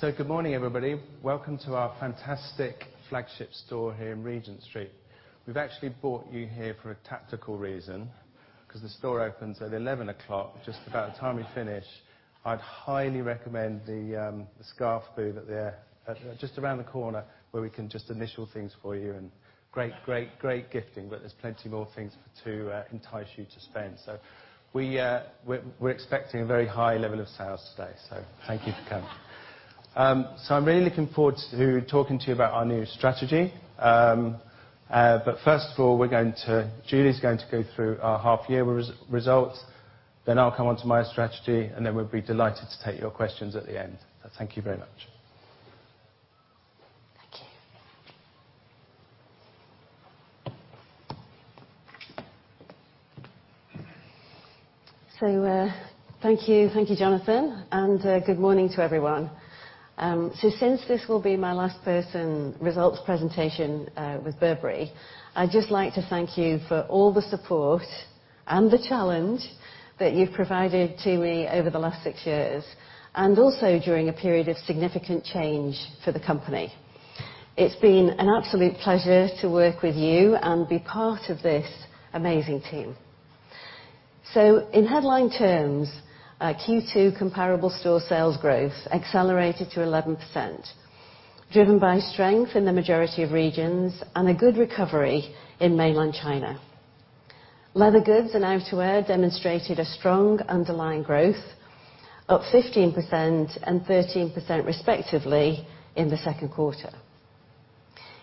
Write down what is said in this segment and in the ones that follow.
Good morning, everybody. Welcome to our fantastic flagship store here in Regent Street. We've actually brought you here for a tactical reason, 'cause the store opens at 11:00 A.M., just about the time we finish. I'd highly recommend the scarf booth up there. Just around the corner, where we can just initial things for you and great gifting. There's plenty more things to entice you to spend. We're expecting a very high level of sales today. Thank you for coming. I'm really looking forward to talking to you about our new strategy. First of all, Julie Brown's going to go through our half-year result. I'll come onto my strategy, and then we'll be delighted to take your questions at the end. Thank you very much. Thank you. Thank you, Jonathan, and good morning to everyone. Since this will be my last in-person results presentation with Burberry, I'd just like to thank you for all the support and the challenge that you've provided to me over the last six years, and also during a period of significant change for the company. It's been an absolute pleasure to work with you and be part of this amazing team. In headline terms, Q2 comparable store sales growth accelerated to 11%, driven by strength in the majority of regions and a good recovery in Mainland China. Leather goods and outerwear demonstrated a strong underlying growth, up 15% and 13% respectively in the second quarter.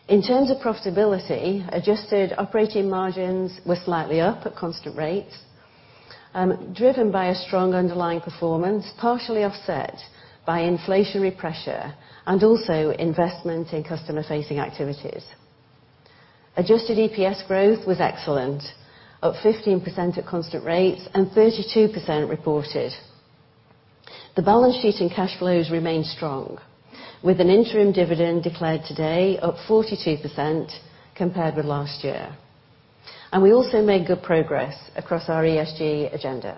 In terms of profitability, adjusted operating margins were slightly up at constant rates, driven by a strong underlying performance, partially offset by inflationary pressure and also investment in customer-facing activities. Adjusted EPS growth was excellent, up 15% at constant rates and 32% reported. The balance sheet and cash flows remain strong, with an interim dividend declared today up 42% compared with last year. We also made good progress across our ESG agenda.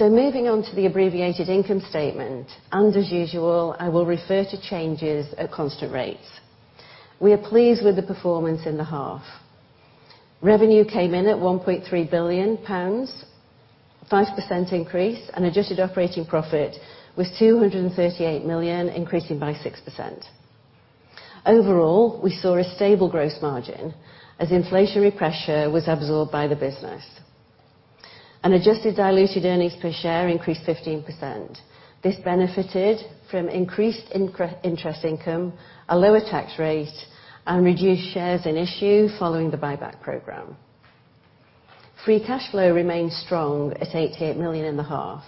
Moving on to the abbreviated income statement, and as usual, I will refer to changes at constant rates. We are pleased with the performance in the half. Revenue came in at 1.3 billion pounds, 5% increase, and adjusted operating profit was 238 million, increasing by 6%. Overall, we saw a stable gross margin as inflationary pressure was absorbed by the business. Adjusted diluted earnings per share increased 15%. This benefited from increased interest income, a lower tax rate, and reduced shares in issue following the buyback program. Free cash flow remained strong at 88 million in the half,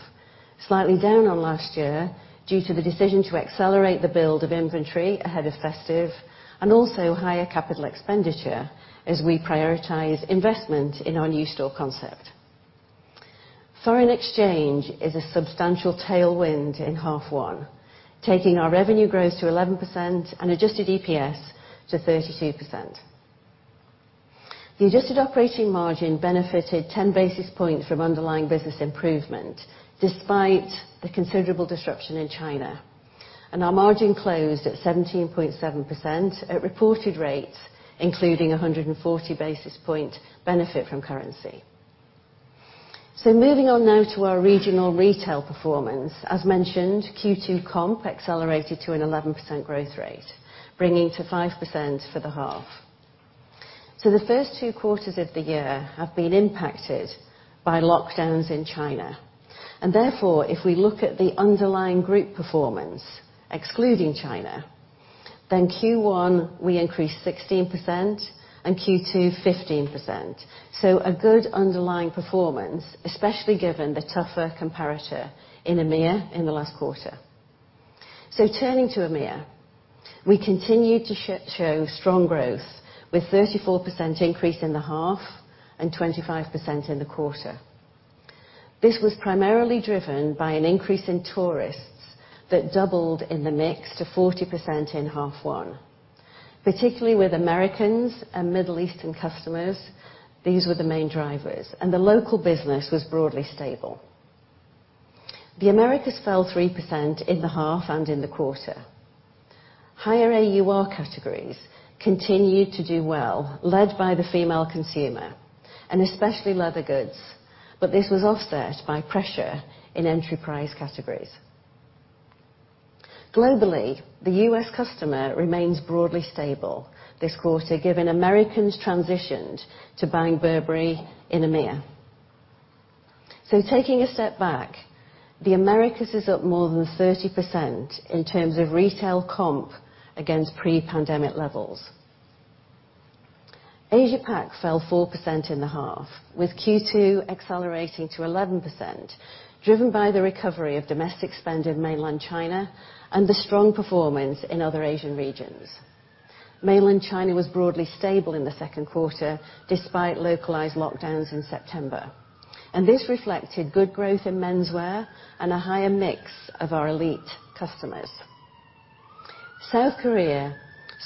slightly down on last year due to the decision to accelerate the build of inventory ahead of festive, and also higher capital expenditure as we prioritize investment in our new store concept. Foreign exchange is a substantial tailwind in half one, taking our revenue growth to 11% and adjusted EPS to 32%. The adjusted operating margin benefited 10 basis points from underlying business improvement despite the considerable disruption in China. Our margin closed at 17.7% at reported rates, including 140 basis point benefit from currency. Moving on now to our regional retail performance. As mentioned, Q2 comp accelerated to an 11% growth rate, bringing to 5% for the half. The first two quarters of the year have been impacted by lockdowns in China. Therefore, if we look at the underlying group performance, excluding China, then Q1, we increased 16% and Q2, 15%. A good underlying performance, especially given the tougher comparator in EMEIA in the last quarter. Turning to EMEIA, we continued to show strong growth with 34% increase in the half and 25% in the quarter. This was primarily driven by an increase in tourists that doubled in the mix to 40% in half one. Particularly with Americans and Middle Eastern customers, these were the main drivers, and the local business was broadly stable. The Americas fell 3% in the half and in the quarter. Higher AUR categories continued to do well, led by the female consumer and especially leather goods, but this was offset by pressure in entry price categories. Globally, the U.S., customer remains broadly stable this quarter, given Americans transitioned to buying Burberry in EMEIA. Taking a step back, the Americas is up more than 30% in terms of retail comp against pre-pandemic levels. Asia Pacific fell 4% in the half, with Q2 accelerating to 11%, driven by the recovery of domestic spend in Mainland China and the strong performance in other Asian regions. Mainland China was broadly stable in the second quarter despite localized lockdowns in September, and this reflected good growth in menswear and a higher mix of our elite customers. South Korea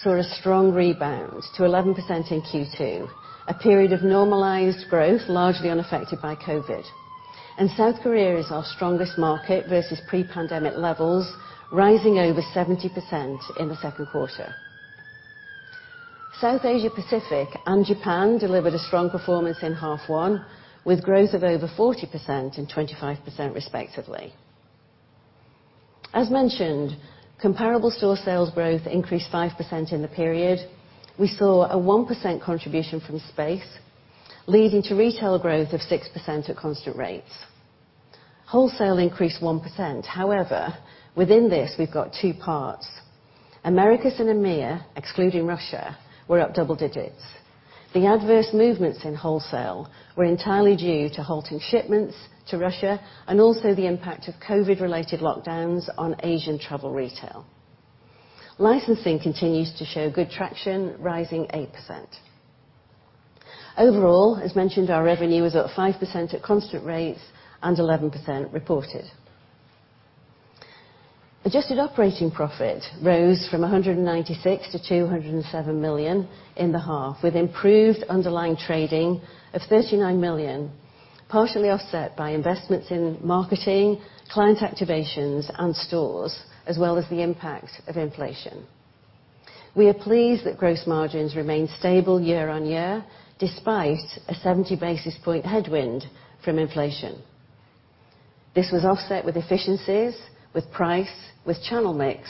saw a strong rebound to 11% in Q2, a period of normalized growth, largely unaffected by COVID-19. South Korea is our strongest market versus pre-pandemic levels, rising over 70% in the second quarter. South Asia Pacific and Japan delivered a strong performance in half one, with growth of over 40% and 25% respectively. As mentioned, comparable store sales growth increased 5% in the period. We saw a 1% contribution from space, leading to retail growth of 6% at constant rates. Wholesale increased 1%. However, within this, we've got two parts. Americas and EMEA, excluding Russia, were up double digits. The adverse movements in wholesale were entirely due to halting shipments to Russia and also the impact of COVID-19-related lockdowns on Asian travel retail. Licensing continues to show good traction, rising 8%. Overall, as mentioned, our revenue was up 5% at constant rates and 11% reported. Adjusted operating profit rose from 196 million-207 million in the half, with improved underlying trading of 39 million, partially offset by investments in marketing, client activations, and stores, as well as the impact of inflation. We are pleased that gross margins remained stable year-on-year, despite a 70 basis point headwind from inflation. This was offset with efficiencies, with price, with channel mix,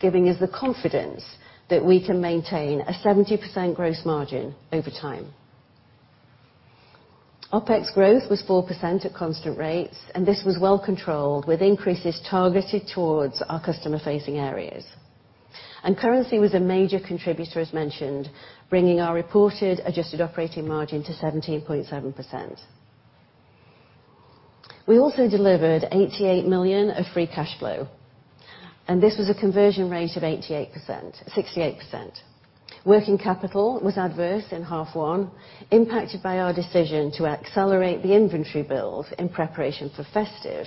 giving us the confidence that we can maintain a 70% gross margin over time. OpEx growth was 4% at constant rates, and this was well controlled, with increases targeted towards our customer-facing areas. Currency was a major contributor, as mentioned, bringing our reported adjusted operating margin to 17.7%. We also delivered 88 million of free cash flow, and this was a conversion rate of 68%. Working capital was adverse in half one, impacted by our decision to accelerate the inventory build in preparation for festive,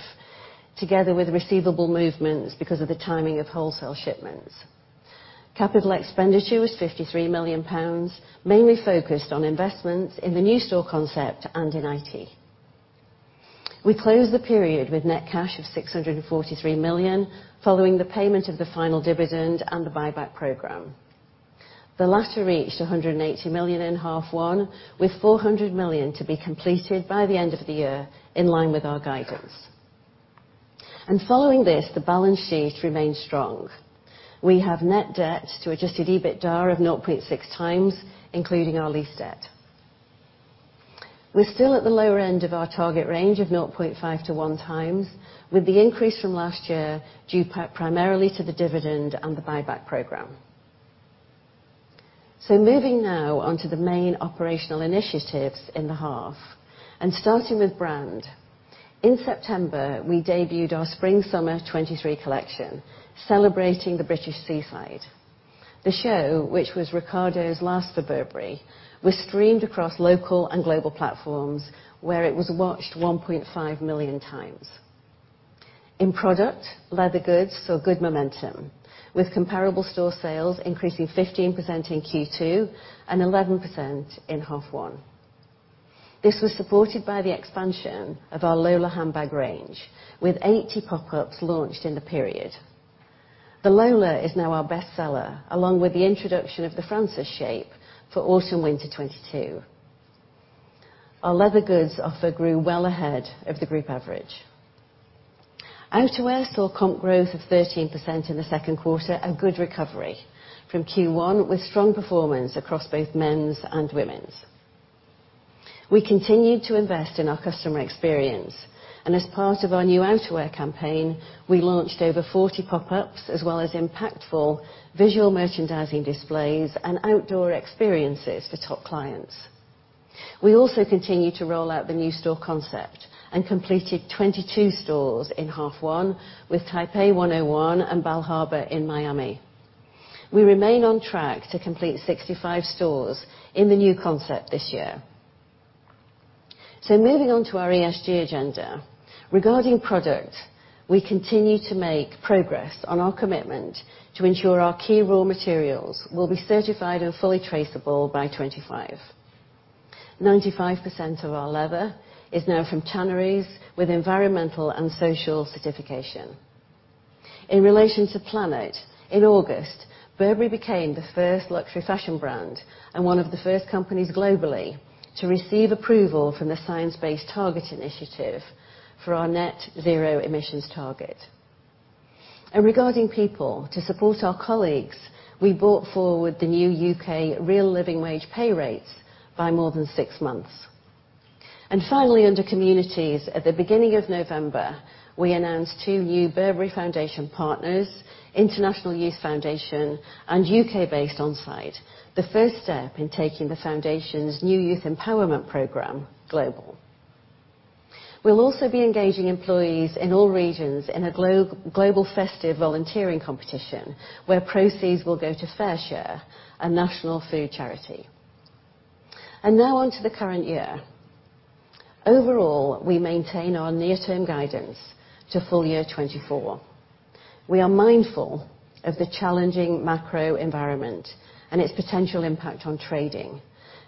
together with receivable movements because of the timing of wholesale shipments. Capital expenditure was 53 million pounds, mainly focused on investments in the new store concept and in I.T. We closed the period with net cash of 643 million, following the payment of the final dividend and the buyback program. The latter reached 180 million in half one, with 400 million to be completed by the end of the year, in line with our guidance. Following this, the balance sheet remained strong. We have net debt to adjusted EBITDA of 0.6x, including our lease debt. We're still at the lower end of our target range of 0.5x-1x, with the increase from last year due primarily to the dividend and the buyback program. Moving now on to the main operational initiatives in the half, and starting with brand. In September, we debuted our Spring/Summer 2023 collection, celebrating the British seaside. The show, which was Riccardo's last for Burberry, was streamed across local and global platforms, where it was watched 1.5 million times. In product, leather goods saw good momentum, with comparable store sales increasing 15% in Q2 and 11% in half one. This was supported by the expansion of our Lola handbag range, with 80 pop-ups launched in the period. The Lola is now our best seller, along with the introduction of the Frances shape for Autumn/Winter 2022. Our leather goods offer grew well ahead of the group average. Outerwear saw comp growth of 13% in the second quarter, a good recovery from Q1, with strong performance across both men's and women's. We continued to invest in our customer experience and as part of our new outerwear campaign, we launched over 40 pop-ups, as well as impactful visual merchandising displays and outdoor experiences for top clients. We also continued to roll out the new store concept and completed 22 stores in half one with Taipei 101 and Bal Harbour in Miami. We remain on track to complete 65 stores in the new concept this year. Moving on to our ESG agenda. Regarding product, we continue to make progress on our commitment to ensure our key raw materials will be certified and fully traceable by 2025. 95% of our leather is now from tanneries with environmental and social certification. In relation to planet, in August, Burberry became the first luxury fashion brand, and one of the first companies globally, to receive approval from the Science Based Targets initiative for our net-zero emissions target. Regarding people, to support our colleagues, we brought forward the new U.K. real Living Wage pay rates by more than six months. Finally, under communities, at the beginning of November, we announced two new Burberry Foundation partners, International Youth Foundation and U.K.-based OnSide, the first step in taking the foundation's new youth empowerment program global. We'll also be engaging employees in all regions in a global festive volunteering competition, where proceeds will go to FareShare, a national food charity. Now on to the current year. Overall, we maintain our near-term guidance to full year 2024. We are mindful of the challenging macro environment and its potential impact on trading,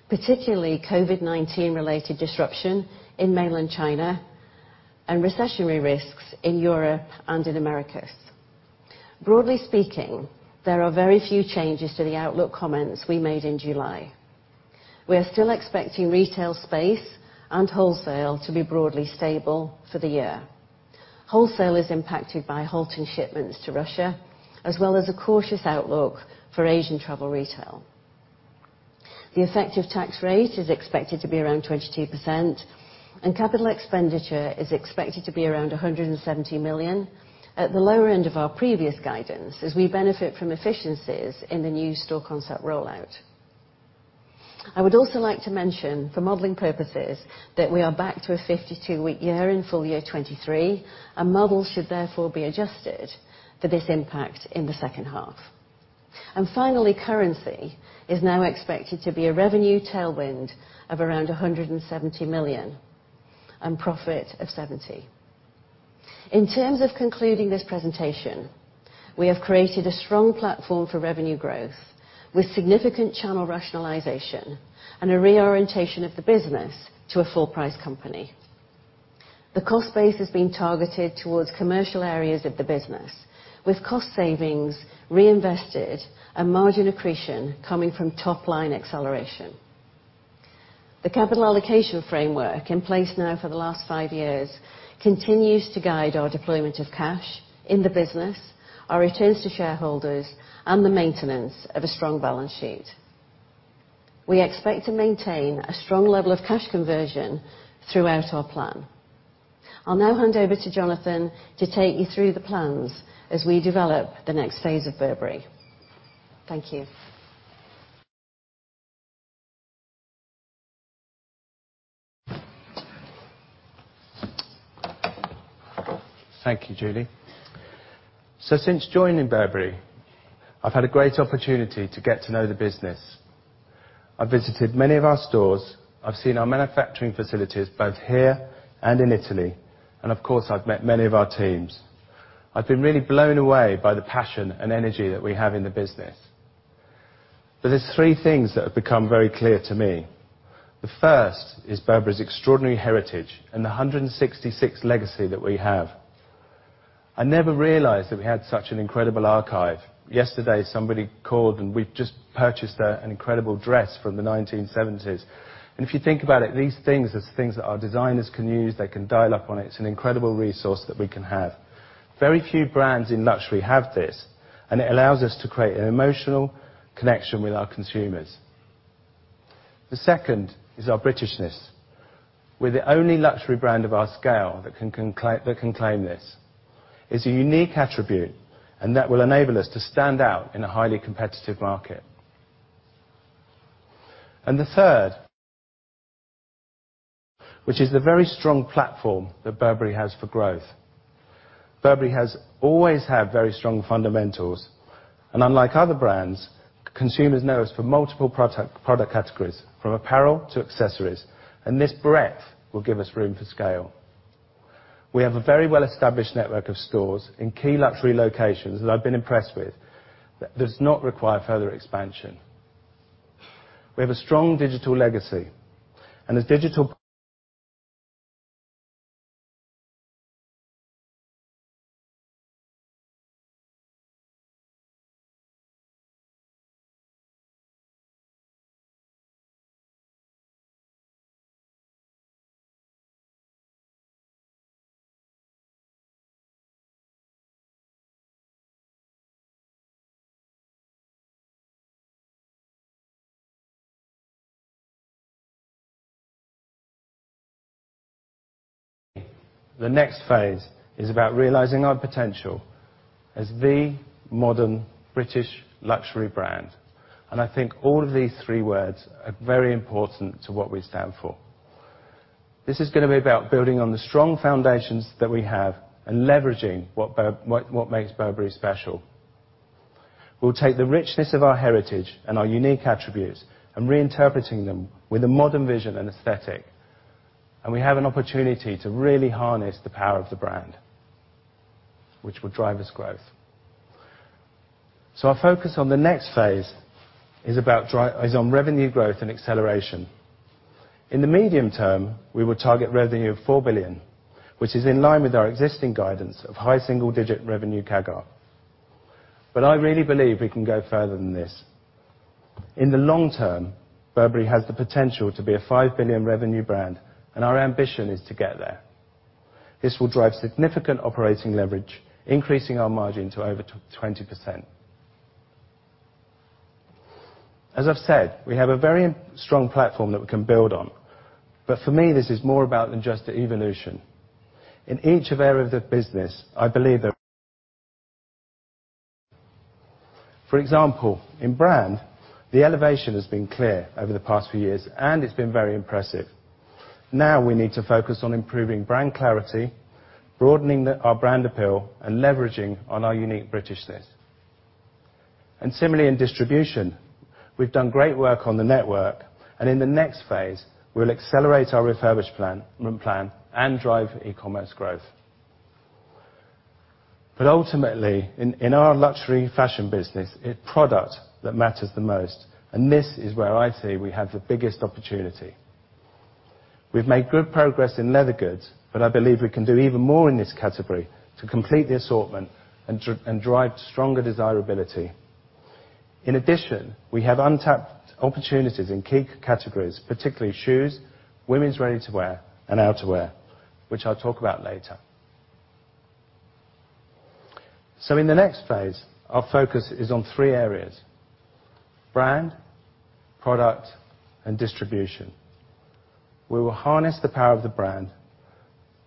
particularly COVID-19-related disruption in mainland China and recessionary risks in Europe and in Americas. Broadly speaking, there are very few changes to the outlook comments we made in July. We are still expecting retail space and wholesale to be broadly stable for the year. Wholesale is impacted by halting shipments to Russia, as well as a cautious outlook for Asian travel retail. The effective tax rate is expected to be around 22%, and capital expenditure is expected to be around a hundred and seventy million at the lower end of our previous guidance, as we benefit from efficiencies in the new store concept rollout. I would also like to mention for modeling purposes, that we are back to a 52-week year in full year 2023. Our model should therefore be adjusted for this impact in the second half. Finally, currency is now expected to be a revenue tailwind of around 170 million, and profit of 70. In terms of concluding this presentation, we have created a strong platform for revenue growth, with significant channel rationalization and a reorientation of the business to a full price company. The cost base is being targeted towards commercial areas of the business, with cost savings reinvested and margin accretion coming from top line acceleration. The capital allocation framework in place now for the last five years continues to guide our deployment of cash in the business, our returns to shareholders, and the maintenance of a strong balance sheet. We expect to maintain a strong level of cash conversion throughout our plan. I'll now hand over to Jonathan to take you through the plans as we develop the next phase of Burberry. Thank you. Thank you, Julie. Since joining Burberry, I've had a great opportunity to get to know the business. I visited many of our stores, I've seen our manufacturing facilities both here and in Italy, and of course, I've met many of our teams. I've been really blown away by the passion and energy that we have in the business. There's three things that have become very clear to me. The first is Burberry's extraordinary heritage and the 166 legacy that we have. I never realized that we had such an incredible archive. Yesterday, somebody called, and we've just purchased an incredible dress from the 1970s. If you think about it, these things are things that our designers can use, they can dial up on. It's an incredible resource that we can have. Very few brands in luxury have this, and it allows us to create an emotional connection with our consumers. The second is our Britishness. We're the only luxury brand of our scale that can claim this. It's a unique attribute, and that will enable us to stand out in a highly competitive market. The third, which is the very strong platform that Burberry has for growth. Burberry has always had very strong fundamentals, and unlike other brands, consumers know us for multiple product categories, from apparel to accessories, and this breadth will give us room for scale. We have a very well-established network of stores in key luxury locations that I've been impressed with, that does not require further expansion. We have a strong digital legacy. For me, the next phase is about realizing our potential as the modern British luxury brand. I think all of these three words are very important to what we stand for. This is gonna be about building on the strong foundations that we have and leveraging what makes Burberry special. We'll take the richness of our heritage and our unique attributes and reinterpreting them with a modern vision and aesthetic, and we have an opportunity to really harness the power of the brand, which will drive us growth. Our focus on the next phase is on revenue growth and acceleration. In the medium term, we will target revenue of 4 billion, which is in line with our existing guidance of high single-digit revenue CAGR. I really believe we can go further than this. In the long term, Burberry has the potential to be a 5 billion revenue brand, and our ambition is to get there. This will drive significant operating leverage, increasing our margin to over 20%. As I've said, we have a very strong platform that we can build on. For me, this is more about than just the evolution. In each area of the business, I believe that. For example, in brand, the elevation has been clear over the past few years, and it's been very impressive. Now we need to focus on improving brand clarity, broadening our brand appeal, and leveraging on our unique Britishness. Similarly in distribution, we've done great work on the network, and in the next phase, we'll accelerate our refurbishment plan and drive e-commerce growth. Ultimately, in our luxury fashion business, it's product that matters the most, and this is where I see we have the biggest opportunity. We've made good progress in leather goods, but I believe we can do even more in this category to complete the assortment and drive stronger desirability. In addition, we have untapped opportunities in key categories, particularly shoes, women's ready-to-wear, and outerwear, which I'll talk about later. In the next phase, our focus is on three areas, brand, product, and distribution. We will harness the power of the brand,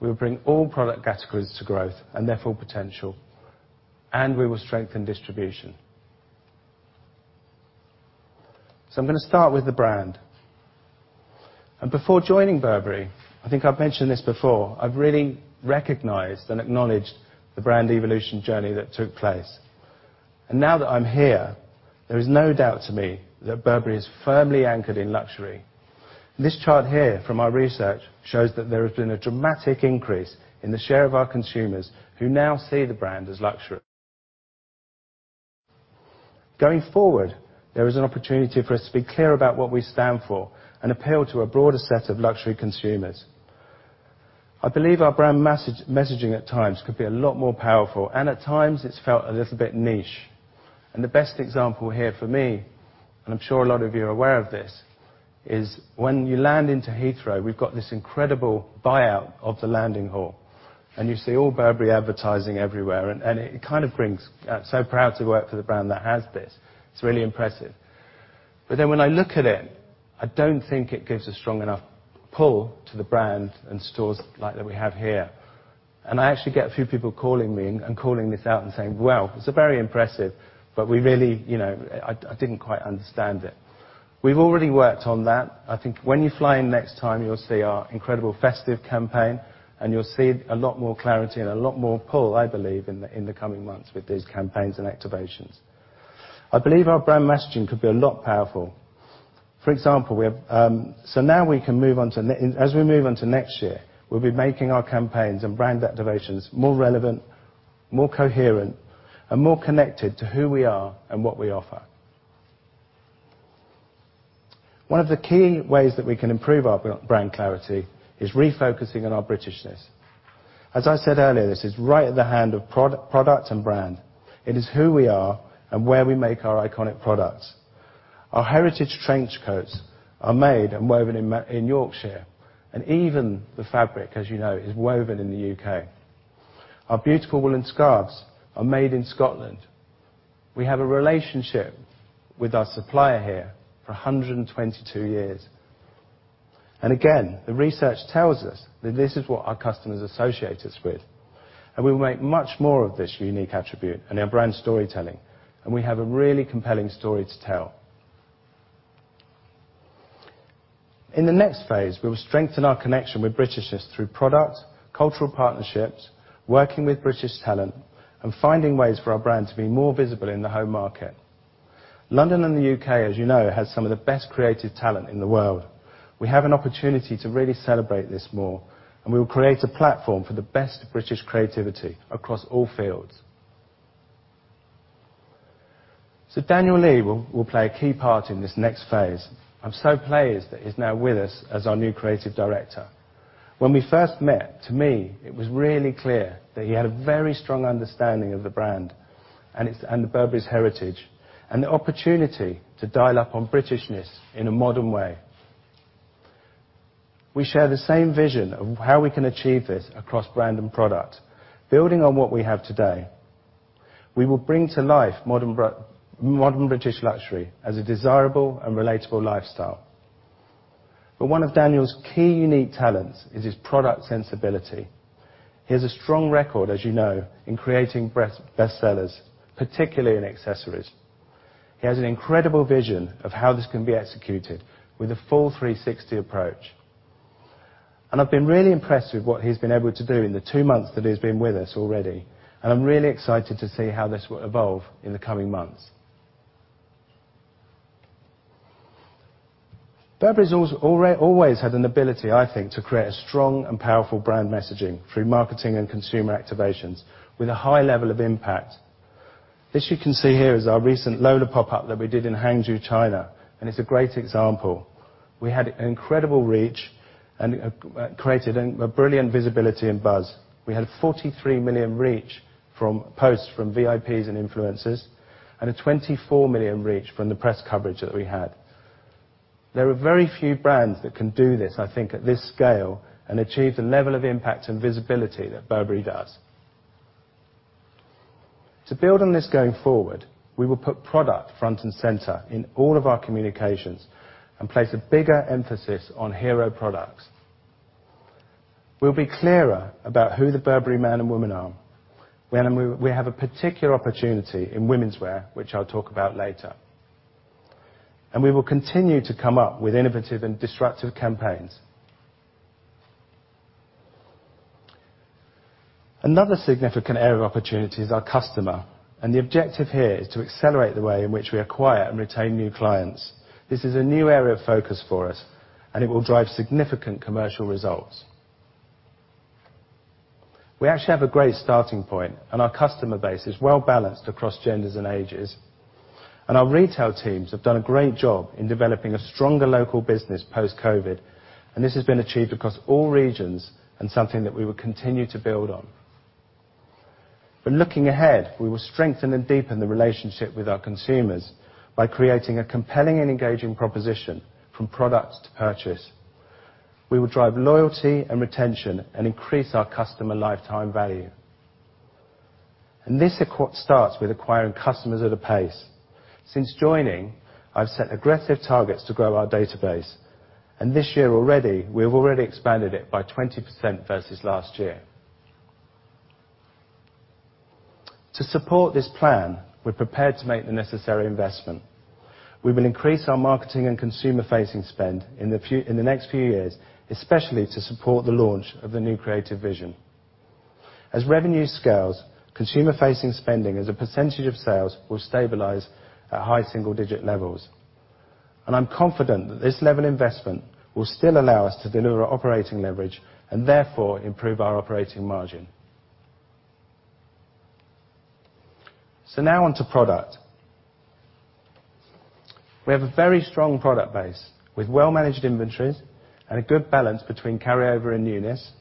we will bring all product categories to growth and their full potential, and we will strengthen distribution. I'm gonna start with the brand. Before joining Burberry, I think I've mentioned this before, I've really recognized and acknowledged the brand evolution journey that took place. Now that I'm here, there is no doubt to me that Burberry is firmly anchored in luxury. This chart here from our research shows that there has been a dramatic increase in the share of our consumers who now see the brand as luxury. Going forward, there is an opportunity for us to be clear about what we stand for and appeal to a broader set of luxury consumers. I believe our brand messaging at times could be a lot more powerful, and at times it's felt a little bit niche. The best example here for me, and I'm sure a lot of you are aware of this, is when you land into Heathrow. We've got this incredible buyout of the landing hall, and you see all Burberry advertising everywhere, and so proud to work for the brand that has this. It's really impressive. When I look at it, I don't think it gives a strong enough pull to the brand and stores like that we have here. I actually get a few people calling me and calling this out and saying, "Well, it's very impressive, but, you know, I didn't quite understand it." We've already worked on that. I think when you fly in next time, you'll see our incredible festive campaign, and you'll see a lot more clarity and a lot more pull, I believe, in the coming months with these campaigns and activations. I believe our brand messaging could be a lot powerful. Now as we move on to next year, we'll be making our campaigns and brand activations more relevant, more coherent, and more connected to who we are and what we offer. One of the key ways that we can improve our brand clarity is refocusing on our Britishness. As I said earlier, this is right at the hand of product and brand. It is who we are, and where we make our iconic products. Our heritage trench coats are made and woven in Yorkshire, and even the fabric, as you know, is woven in the U.K. Our beautiful woolen scarves are made in Scotland. We have a relationship with our supplier here for 122 years. Again, the research tells us that this is what our customers associate us with, and we will make much more of this unique attribute in our brand storytelling, and we have a really compelling story to tell. In the next phase, we will strengthen our connection with Britishness through product, cultural partnerships, working with British talent, and finding ways for our brand to be more visible in the home market. London and the U.K., as you know, has some of the best creative talent in the world. We have an opportunity to really celebrate this more, and we will create a platform for the best British creativity across all fields. Daniel Lee will play a key part in this next phase. I'm so pleased that he's now with us as our new Creative Director. When we first met, to me, it was really clear that he had a very strong understanding of the brand and Burberry's heritage, and the opportunity to dial up on Britishness in a modern way. We share the same vision of how we can achieve this across brand and product. Building on what we have today, we will bring to life modern British luxury as a desirable and relatable lifestyle. One of Daniel's key unique talents is his product sensibility. He has a strong record, as you know, in creating bestsellers, particularly in accessories. He has an incredible vision of how this can be executed with a full 360 approach. I've been really impressed with what he's been able to do in the two months that he's been with us already, and I'm really excited to see how this will evolve in the coming months. Burberry's always had an ability, I think, to create a strong and powerful brand messaging through marketing and consumer activations with a high level of impact. This you can see here is our recent Lola pop-up that we did in Hangzhou, China, and it's a great example. We had incredible reach and created a brilliant visibility and buzz. We had 43 million reach from posts from VIPs and influencers, and a 24 million reach from the press coverage that we had. There are very few brands that can do this, I think, at this scale and achieve the level of impact and visibility that Burberry does. To build on this going forward, we will put product front and center in all of our communications and place a bigger emphasis on hero products. We'll be clearer about who the Burberry man and woman are. We have a particular opportunity in womenswear, which I'll talk about later. We will continue to come up with innovative and disruptive campaigns. Another significant area of opportunity is our customer, and the objective here is to accelerate the way in which we acquire and retain new clients. This is a new area of focus for us, and it will drive significant commercial results. We actually have a great starting point, and our customer base is well-balanced across genders and ages. Our retail teams have done a great job in developing a stronger local business post-COVID-19, and this has been achieved across all regions and something that we will continue to build on. Looking ahead, we will strengthen and deepen the relationship with our consumers by creating a compelling and engaging proposition from product to purchase. We will drive loyalty and retention and increase our customer lifetime value. This starts with acquiring customers at a pace. Since joining, I've set aggressive targets to grow our database, and this year already, we've already expanded it by 20% versus last year. To support this plan, we're prepared to make the necessary investment. We will increase our marketing and consumer-facing spend in the next few years, especially to support the launch of the new creative vision. As revenue scales, consumer-facing spending as a percentage of sales will stabilize at high single-digit levels. I'm confident that this level of investment will still allow us to deliver operating leverage and therefore improve our operating margin. Now on to product. We have a very strong product base with well-managed inventories and a good balance between carryover and newness.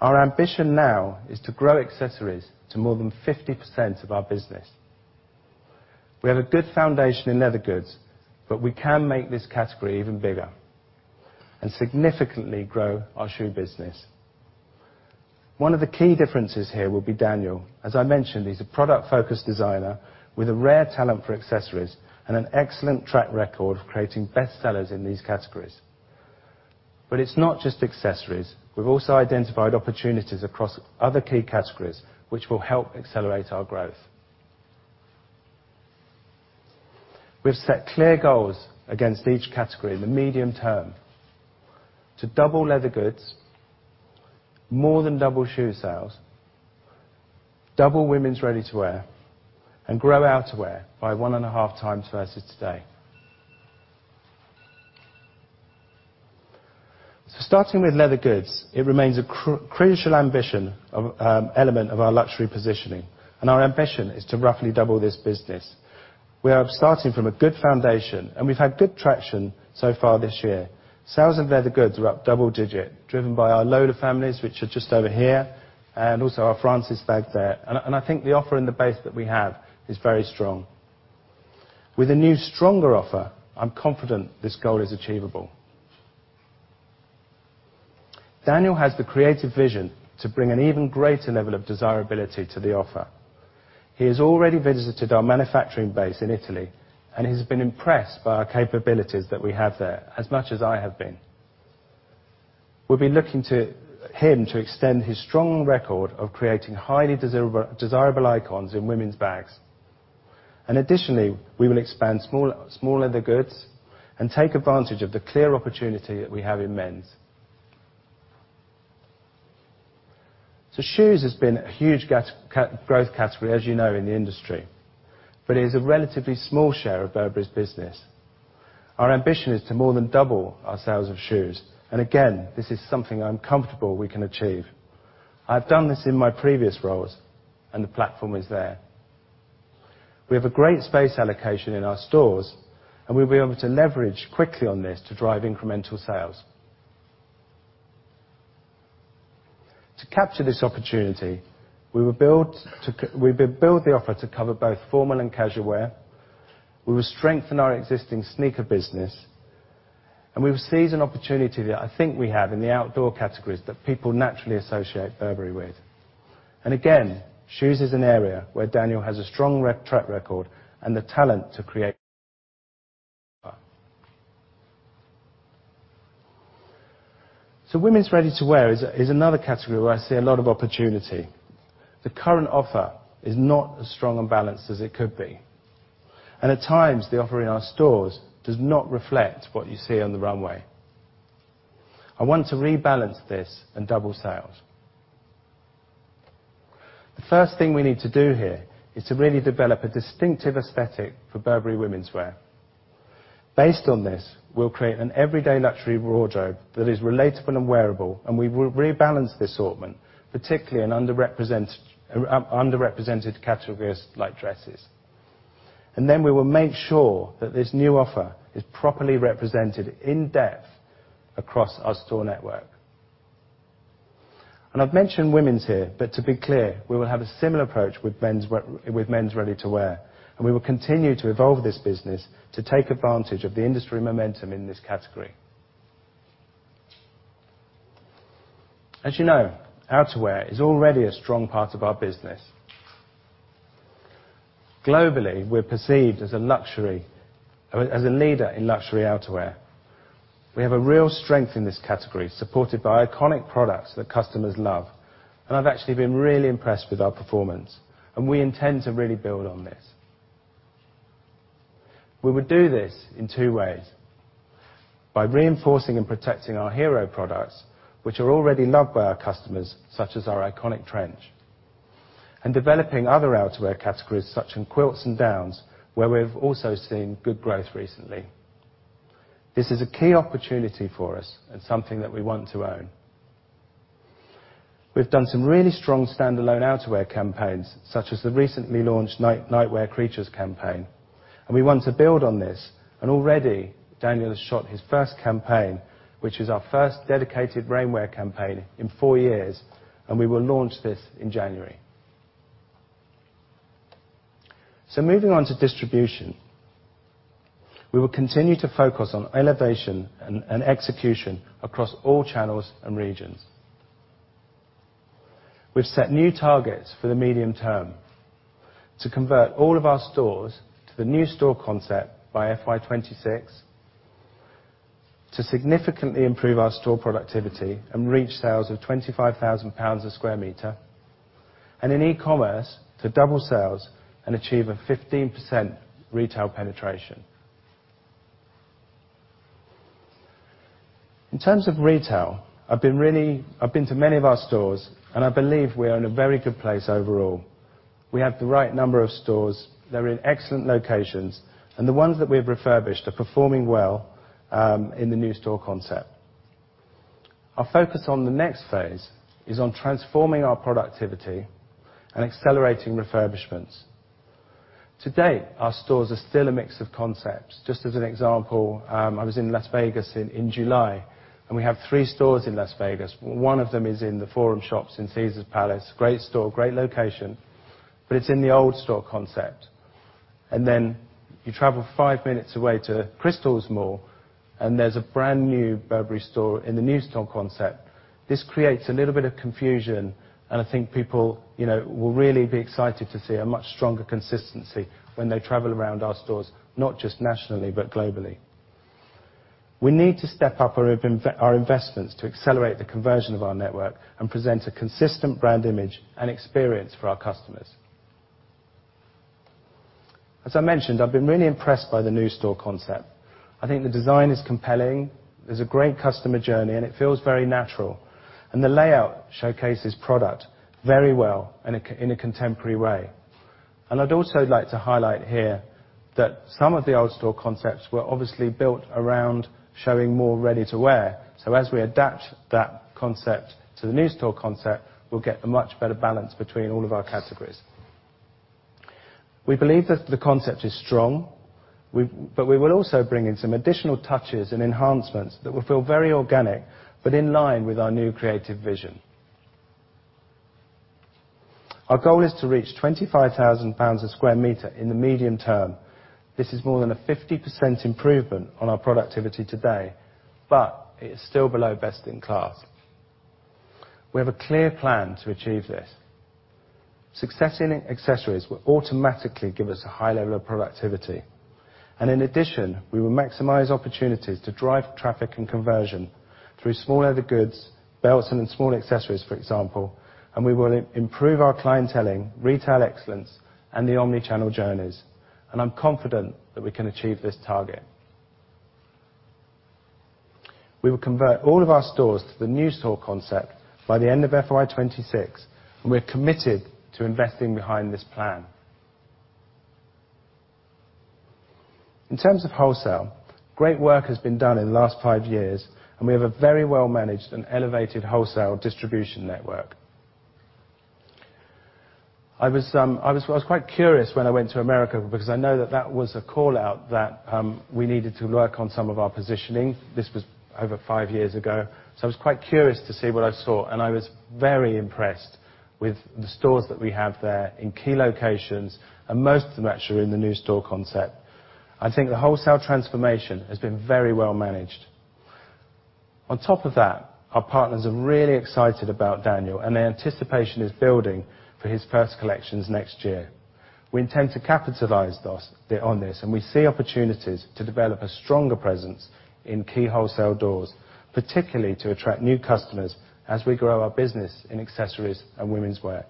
Our ambition now is to grow accessories to more than 50% of our business. We have a good foundation in leather goods, but we can make this category even bigger and significantly grow our shoe business. One of the key differences here will be Daniel. As I mentioned, he's a product-focused designer with a rare talent for accessories and an excellent track record of creating bestsellers in these categories. It's not just accessories. We've also identified opportunities across other key categories which will help accelerate our growth. We've set clear goals against each category in the medium term to double leather goods, more than double shoe sales, double women's ready-to-wear, and grow outerwear by 1.5x versus today. Starting with leather goods, it remains a critical element of our luxury positioning, and our ambition is to roughly double this business. We are starting from a good foundation, and we've had good traction so far this year. Sales of leather goods are up double-digit, driven by our Lola families, which are just over here, and also our Frances bag there. I think the offer in the base that we have is very strong. With a new stronger offer, I'm confident this goal is achievable. Daniel has the creative vision to bring an even greater level of desirability to the offer. He has already visited our manufacturing base in Italy and has been impressed by our capabilities that we have there as much as I have been. We'll be looking to him to extend his strong record of creating highly desirable icons in women's bags. Additionally, we will expand small leather goods and take advantage of the clear opportunity that we have in men's. Shoes has been a huge growth category, as you know, in the industry, but it is a relatively small share of Burberry's business. Our ambition is to more than double our sales of shoes, and again, this is something I'm comfortable we can achieve. I've done this in my previous roles, and the platform is there. We have a great space allocation in our stores, and we'll be able to leverage quickly on this to drive incremental sales. To capture this opportunity, we will build the offer to cover both formal and casual wear, we will strengthen our existing sneaker business, and we will seize an opportunity that I think we have in the outdoor categories that people naturally associate Burberry with. Again, shoes is an area where Daniel has a strong track record and the talent to create. Women's ready-to-wear is another category where I see a lot of opportunity. The current offer is not as strong and balanced as it could be, and at times, the offer in our stores does not reflect what you see on the runway. I want to rebalance this and double sales. The first thing we need to do here is to really develop a distinctive aesthetic for Burberry womenswear. Based on this, we'll create an everyday luxury wardrobe that is relatable and wearable, and we will rebalance the assortment, particularly in underrepresented categories like dresses. We will make sure that this new offer is properly represented in depth across our store network. I've mentioned women's here, but to be clear, we will have a similar approach with men's ready-to-wear, and we will continue to evolve this business to take advantage of the industry momentum in this category. As you know, outerwear is already a strong part of our business. Globally, we're perceived as a leader in luxury outerwear. We have a real strength in this category, supported by iconic products that customers love, and I've actually been really impressed with our performance, and we intend to really build on this. We would do this in two ways, by reinforcing and protecting our hero products, which are already loved by our customers, such as our iconic trench, and developing other outerwear categories, such as quilts and downs, where we've also seen good growth recently. This is a key opportunity for us and something that we want to own. We've done some really strong standalone outerwear campaigns, such as the recently launched Night Creatures campaign, and we want to build on this. Already, Daniel has shot his first campaign, which is our first dedicated rainwear campaign in four years, and we will launch this in January. Moving on to distribution. We will continue to focus on elevation and execution across all channels and regions. We've set new targets for the medium term to convert all of our stores to the new store concept by FY 2026, to significantly improve our store productivity and reach sales of 25,000 pounds sq m, and in e-commerce, to double sales and achieve a 15% retail penetration. In terms of retail, I've been to many of our stores, and I believe we are in a very good place overall. We have the right number of stores, they're in excellent locations, and the ones that we have refurbished are performing well in the new store concept. Our focus on the next phase is on transforming our productivity and accelerating refurbishments. To date, our stores are still a mix of concepts. Just as an example, I was in Las Vegas in July, and we have three stores in Las Vegas. One of them is in the Forum Shops in Caesars Palace. Great store, great location. It's in the old store concept. You travel five minutes away to Crystals Mall. There's a brand-new Burberry store in the new store concept. This creates a little bit of confusion, and I think people, you know, will really be excited to see a much stronger consistency when they travel around our stores, not just nationally but globally. We need to step up our investments to accelerate the conversion of our network and present a consistent brand image and experience for our customers. As I mentioned, I've been really impressed by the new store concept. I think the design is compelling, there's a great customer journey, and it feels very natural, and the layout showcases product very well in a contemporary way. I'd also like to highlight here that some of the old store concepts were obviously built around showing more ready-to-wear. As we adapt that concept to the new store concept, we'll get a much better balance between all of our categories. We believe that the concept is strong. We will also bring in some additional touches and enhancements that will feel very organic but in line with our new creative vision. Our goal is to reach 25,000 pounds sq m in the medium term. This is more than a 50% improvement on our productivity today, but it is still below best in class. We have a clear plan to achieve this. Success in accessories will automatically give us a high level of productivity. In addition, we will maximize opportunities to drive traffic and conversion through small leather goods, belts, and small accessories, for example, and we will improve our clienteling, retail excellence, and the omnichannel journeys. I'm confident that we can achieve this target. We will convert all of our stores to the new store concept by the end of FY 2026, and we're committed to investing behind this plan. In terms of wholesale, great work has been done in the last five years, and we have a very well-managed and elevated wholesale distribution network. I was quite curious when I went to America because I know that that was a call-out that we needed to work on some of our positioning. This was over five years ago. I was quite curious to see what I saw, and I was very impressed with the stores that we have there in key locations, and most of them actually are in the new store concept. I think the wholesale transformation has been very well managed. Our partners are really excited about Daniel, and the anticipation is building for his first collections next year. We intend to capitalize on this, and we see opportunities to develop a stronger presence in key wholesale doors, particularly to attract new customers as we grow our business in accessories and womenswear.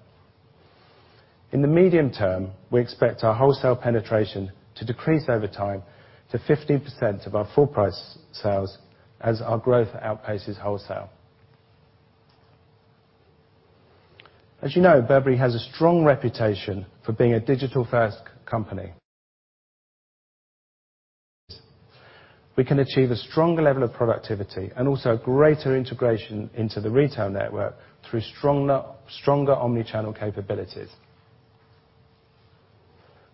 In the medium term, we expect our wholesale penetration to decrease over time to 15% of our full-price sales as our growth outpaces wholesale. As you know, Burberry has a strong reputation for being a digital-first company. We can achieve a stronger level of productivity and also greater integration into the retail network through stronger omnichannel capabilities.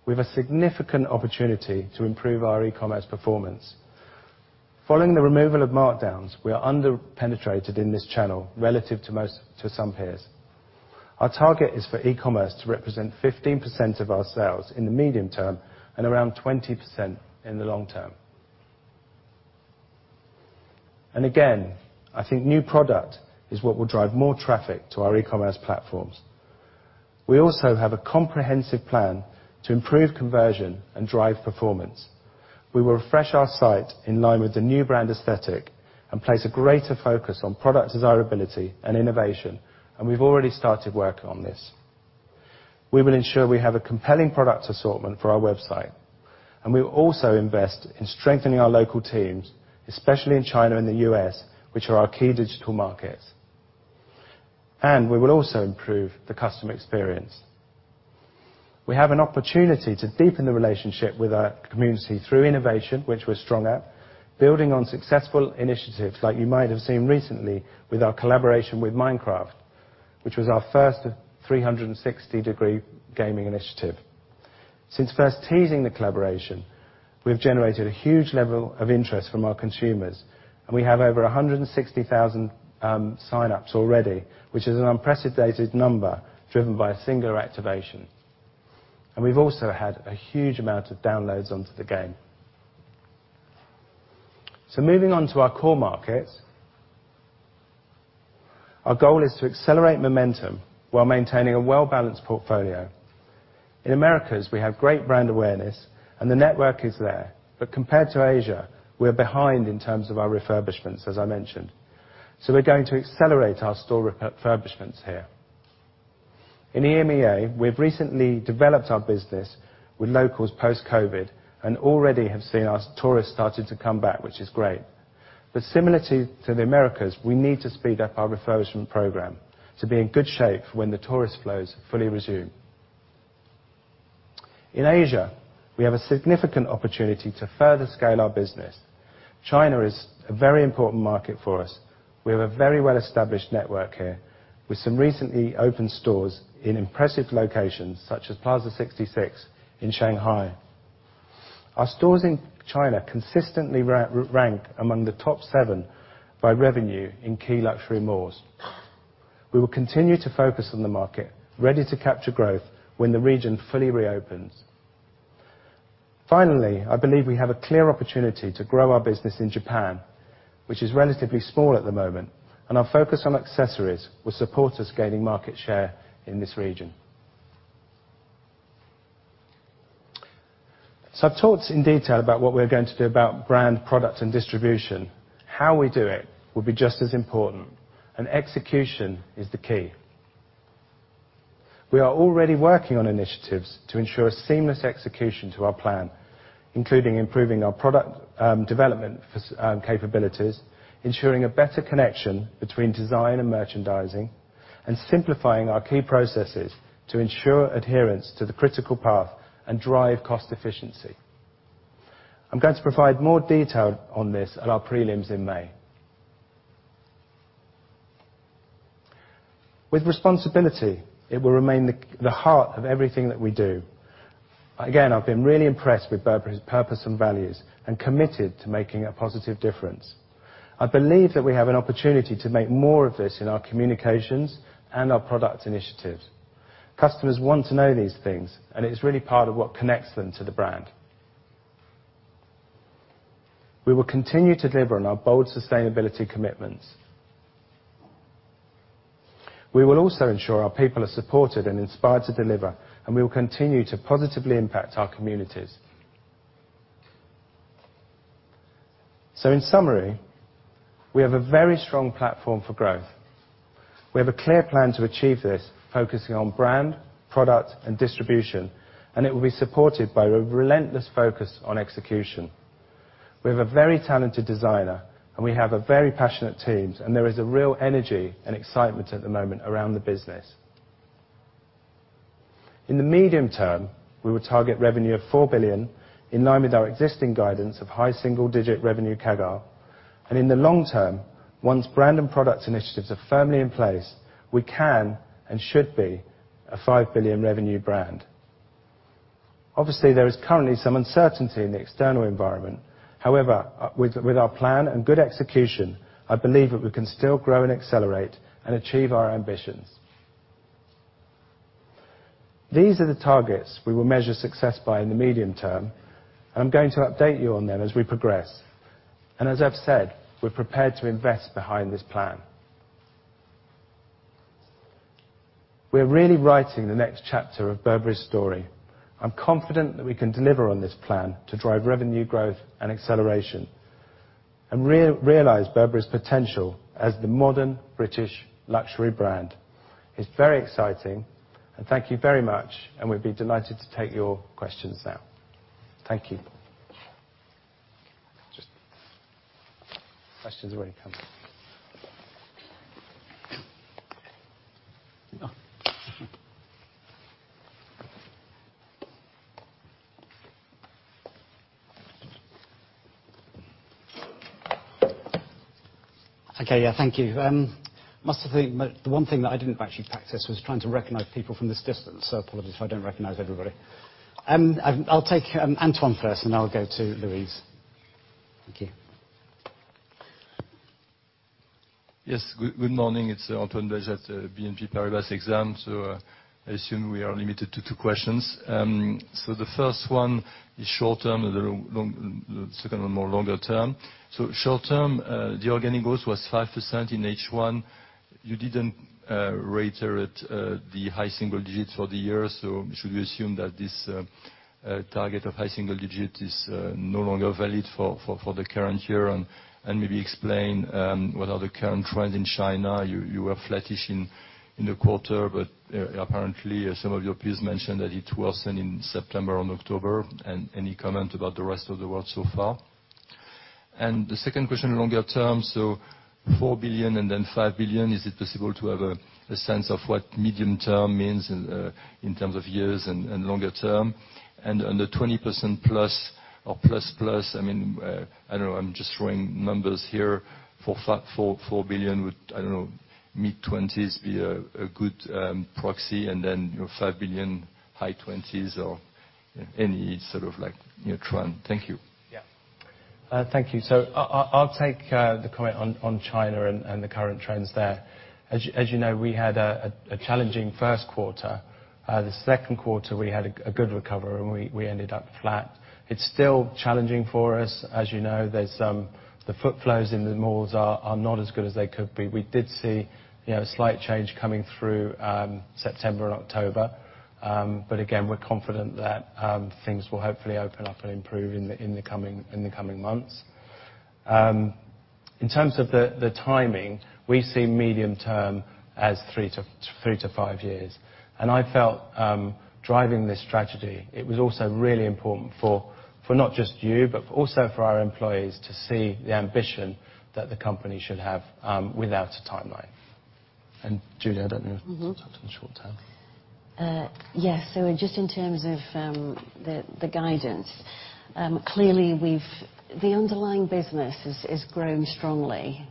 We have a significant opportunity to improve our e-commerce performance. Following the removal of markdowns, we are under-penetrated in this channel relative to some peers. Our target is for e-commerce to represent 15% of our sales in the medium term and around 20% in the long term. Again, I think new product is what will drive more traffic to our e-commerce platforms. We also have a comprehensive plan to improve conversion and drive performance. We will refresh our site in line with the new brand aesthetic and place a greater focus on product desirability and innovation, and we've already started work on this. We will ensure we have a compelling product assortment for our website, and we'll also invest in strengthening our local teams, especially in China and the U.S., which are our key digital markets. We will also improve the customer experience. We have an opportunity to deepen the relationship with our community through innovation, which we're strong at, building on successful initiatives like you might have seen recently with our collaboration with Minecraft, which was our first 360-degree gaming initiative. Since first teasing the collaboration, we've generated a huge level of interest from our consumers, and we have over 160,000 sign-ups already, which is an unprecedented number driven by a single activation. We've also had a huge amount of downloads onto the game. Moving on to our core markets. Our goal is to accelerate momentum while maintaining a well-balanced portfolio. In Americas, we have great brand awareness, and the network is there. Compared to Asia, we are behind in terms of our refurbishments, as I mentioned. We're going to accelerate our store refurbishments here. In EMEA, we've recently developed our business with locals post-COVID, and already have seen our tourists starting to come back, which is great. Similar to the Americas, we need to speed up our refurbishment program to be in good shape when the tourist flows fully resume. In Asia, we have a significant opportunity to further scale our business. China is a very important market for us. We have a very well-established network here, with some recently opened stores in impressive locations such as Plaza 66 in Shanghai. Our stores in China consistently rank among the top seven by revenue in key luxury malls. We will continue to focus on the market, ready to capture growth when the region fully reopens. Finally, I believe we have a clear opportunity to grow our business in Japan, which is relatively small at the moment, and our focus on accessories will support us gaining market share in this region. I've talked in detail about what we're going to do about brand, product, and distribution. How we do it will be just as important, and execution is the key. We are already working on initiatives to ensure seamless execution to our plan, including improving our product development for capabilities, ensuring a better connection between design and merchandising, and simplifying our key processes to ensure adherence to the critical path and drive cost efficiency. I'm going to provide more detail on this at our prelims in May. With responsibility, it will remain the heart of everything that we do. Again, I've been really impressed with Burberry's purpose and values, and committed to making a positive difference. I believe that we have an opportunity to make more of this in our communications and our product initiatives. Customers want to know these things, and it's really part of what connects them to the brand. We will continue to deliver on our bold sustainability commitments. We will also ensure our people are supported and inspired to deliver, and we will continue to positively impact our communities. In summary, we have a very strong platform for growth. We have a clear plan to achieve this, focusing on brand, product and distribution, and it will be supported by a relentless focus on execution. We have a very talented designer, and we have a very passionate teams, and there is a real energy and excitement at the moment around the business. In the medium term, we will target revenue of 4 billion, in line with our existing guidance of high single-digit revenue CAGR. In the long term, once brand and product initiatives are firmly in place, we can and should be a 5 billion revenue brand. Obviously, there is currently some uncertainty in the external environment. However, with our plan and good execution, I believe that we can still grow and accelerate and achieve our ambitions. These are the targets we will measure success by in the medium term, and I'm going to update you on them as we progress. As I've said, we're prepared to invest behind this plan. We're really writing the next chapter of Burberry's story. I'm confident that we can deliver on this plan to drive revenue growth and acceleration, and re-realize Burberry's potential as the modern British luxury brand. It's very exciting, and thank you very much, and we'd be delighted to take your questions now. Thank you. Questions already coming. Oh, okay, yeah, thank you. The one thing that I didn't actually practice was trying to recognize people from this distance, so apologies if I don't recognize everybody. I'll take Antoine first, and I'll go to Louise. Thank you. Yes. Good morning. It's Antoine Belge at BNP Paribas Exane. I assume we are limited to two questions. The first one is short-term, and the second one more longer term. Short-term, the organic growth was 5% in H1. You didn't reiterate the high single digits for the year, so should we assume that this target of high single digit is no longer valid for the current year? Maybe explain what are the current trends in China? You were flattish in the quarter, but apparently, as some of your peers mentioned, that it worsened in September and October. Any comment about the rest of the world so far? The second question, longer term, 4 billion and then 5 billion. Is it possible to have a sense of what medium term means in terms of years and longer term? Under 20%+ or ++, I mean, I don't know, I'm just throwing numbers here for 4 billion, would, I don't know, mid-20% be a good proxy? You know, 5 billion, high-20% or any sort of like, you know, trend. Thank you. Yeah. Thank you. I'll take the comment on China and the current trends there. As you know, we had a challenging first quarter. The second quarter we had a good recovery and we ended up flat. It's still challenging for us. As you know, the foot flows in the malls are not as good as they could be. We did see, you know, a slight change coming through September and October. Again, we're confident that things will hopefully open up and improve in the coming months. In terms of the timing, we see medium term as three to five-years. I felt, driving this strategy, it was also really important for not just you, but also for our employees to see the ambition that the company should have without a timeline. Julie, I don't know. Mm-hmm If you want to talk to the short term. Yes. Just in terms of the guidance, the underlying business has grown strongly.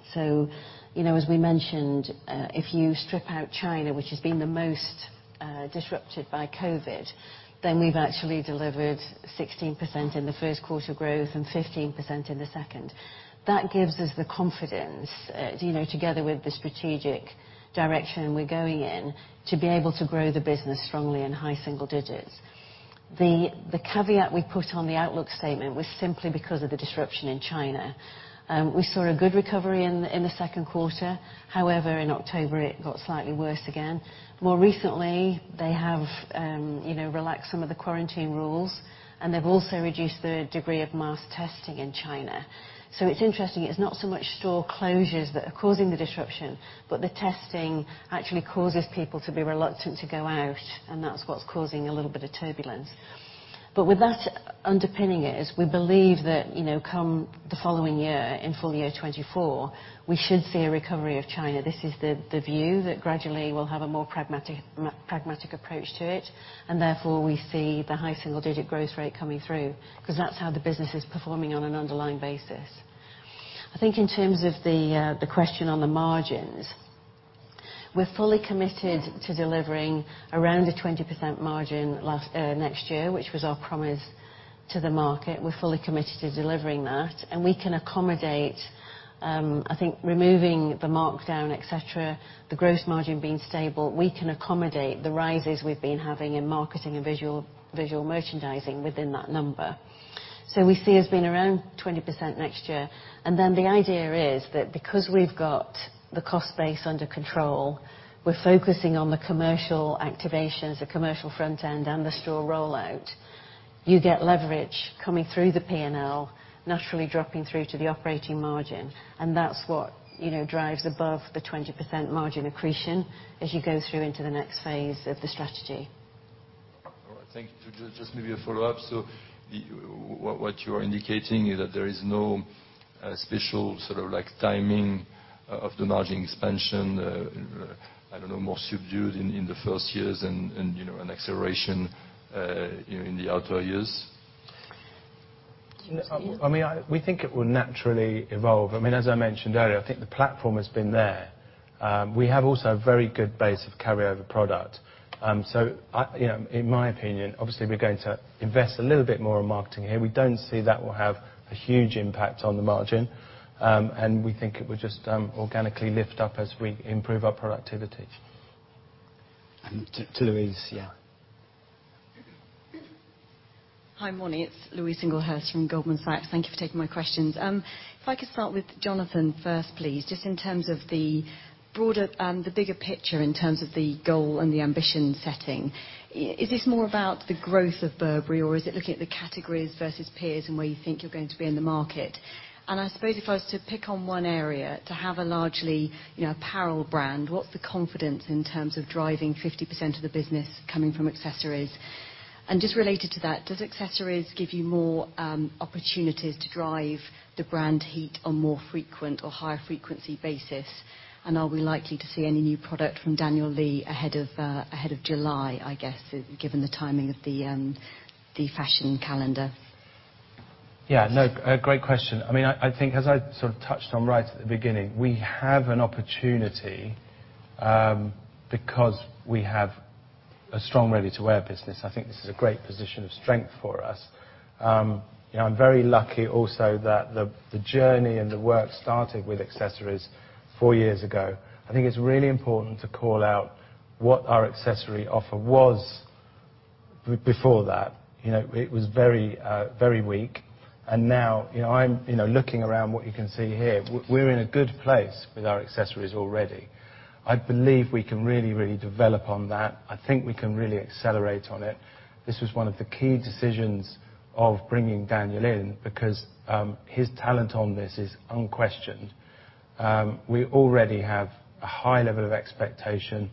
You know, as we mentioned, if you strip out China, which has been the most disrupted by COVID, then we've actually delivered 16% in the first quarter growth and 15% in the second. That gives us the confidence, you know, together with the strategic direction we're going in, to be able to grow the business strongly in high single digits. The caveat we put on the outlook statement was simply because of the disruption in China. We saw a good recovery in the second quarter. However, in October, it got slightly worse again. More recently, they have, you know, relaxed some of the quarantine rules, and they've also reduced the degree of mass testing in China. It's interesting, it's not so much store closures that are causing the disruption, but the testing actually causes people to be reluctant to go out, and that's what's causing a little bit of turbulence. With that underpinning it, we believe that, you know, come the following year, in full year 2024, we should see a recovery of China. This is the view, that gradually we'll have a more pragmatic approach to it, and therefore we see the high-single-digit growth rate coming through, 'cause that's how the business is performing on an underlying basis. I think in terms of the question on the margins, we're fully committed to delivering around a 20% margin next year, which was our promise to the market. We're fully committed to delivering that. I think removing the markdown, etc., the gross margin being stable, we can accommodate the rises we've been having in marketing and visual merchandising within that number. We see us being around 20% next year. The idea is that because we've got the cost base under control, we're focusing on the commercial activations, the commercial front end, and the store rollout. You get leverage coming through the P&L, naturally dropping through to the operating margin. That's what, you know, drives above the 20% margin accretion as you go through into the next phase of the strategy. All right. Thank you. Just maybe a follow-up. What you are indicating is that there is no special sort of like timing of the margin expansion, I don't know, more subdued in the first years and, you know, an acceleration, you know, in the outer years? Do you want to take that? I mean, we think it will naturally evolve. I mean, as I mentioned earlier, I think the platform has been there. We have also a very good base of carryover product. You know, in my opinion, obviously we're going to invest a little bit more in marketing here. We don't see that will have a huge impact on the margin. We think it will just organically lift up as we improve our productivity. To Louise, yeah. Hi, morning. It's Louise Singlehurst from Goldman Sachs. Thank you for taking my questions. Um, if I could start with Jonathan first, please. Just in terms of the broader, um, the bigger picture in terms of the goal and the ambition setting. Is this more about the growth of Burberry, or is it looking at the categories versus peers and where you think you're going to be in the market? And I suppose if I was to pick on one area, to have a largely, you know, apparel brand, what's the confidence in terms of driving 50% of the business coming from accessories? And just related to that, does accessories give you more, um, opportunities to drive the brand heat on more frequent or higher frequency basis? Are we likely to see any new product from Daniel Lee ahead of July, I guess, given the timing of the fashion calendar? Yeah, no, a great question. I mean, I think as I sort of touched on right at the beginning, we have an opportunity because we have a strong ready-to-wear business. I think this is a great position of strength for us. You know, I'm very lucky also that the journey and the work started with accessories four years ago. I think it's really important to call out what our accessory offer was before that. You know, it was very weak, and now, you know, I'm, you know, looking around what you can see here, we're in a good place with our accessories already. I believe we can really develop on that. I think we can really accelerate on it. This was one of the key decisions of bringing Daniel in because his talent on this is unquestioned. We already have a high level of expectation.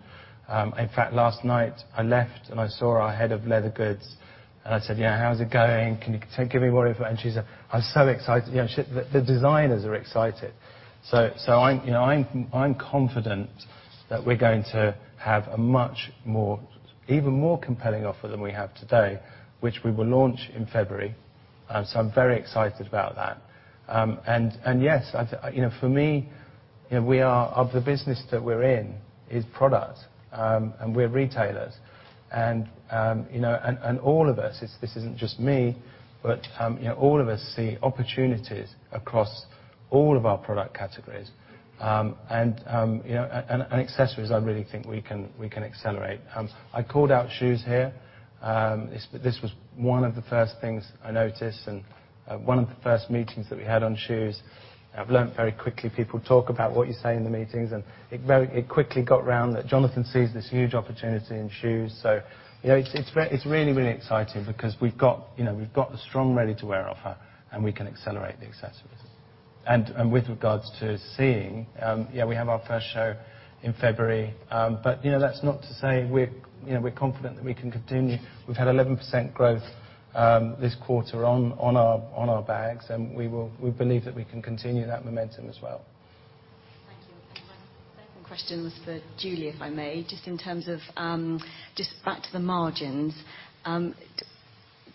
In fact, last night I left, and I saw our Head of Leather Goods, and I said, "Yeah, how is it going? Can you give me whatever?" She said, "I'm so excited." You know, the designers are excited. I'm, you know, I'm confident that we're going to have a much more, even more compelling offer than we have today, which we will launch in February. I'm very excited about that. Yes, you know, for me, you know, the business that we're in is product, and we're retailers. You know, all of us, this isn't just me, but, you know, all of us see opportunities across all of our product categories. You know, accessories, I really think we can accelerate. I called out shoes here. This was one of the first things I noticed and one of the first meetings that we had on shoes. I've learned very quickly, people talk about what you say in the meetings, and it quickly got round that Jonathan sees this huge opportunity in shoes. You know, it's really, really exciting because we've got the strong ready-to-wear offer, and we can accelerate the accessories. With regards to seeing, yeah, we have our first show in February. You know, that's not to say we're confident that we can continue. We've had 11% growth this quarter on our bags, and we believe that we can continue that momentum as well. Thank you. My second question was for Julie, if I may, just in terms of just back to the margins.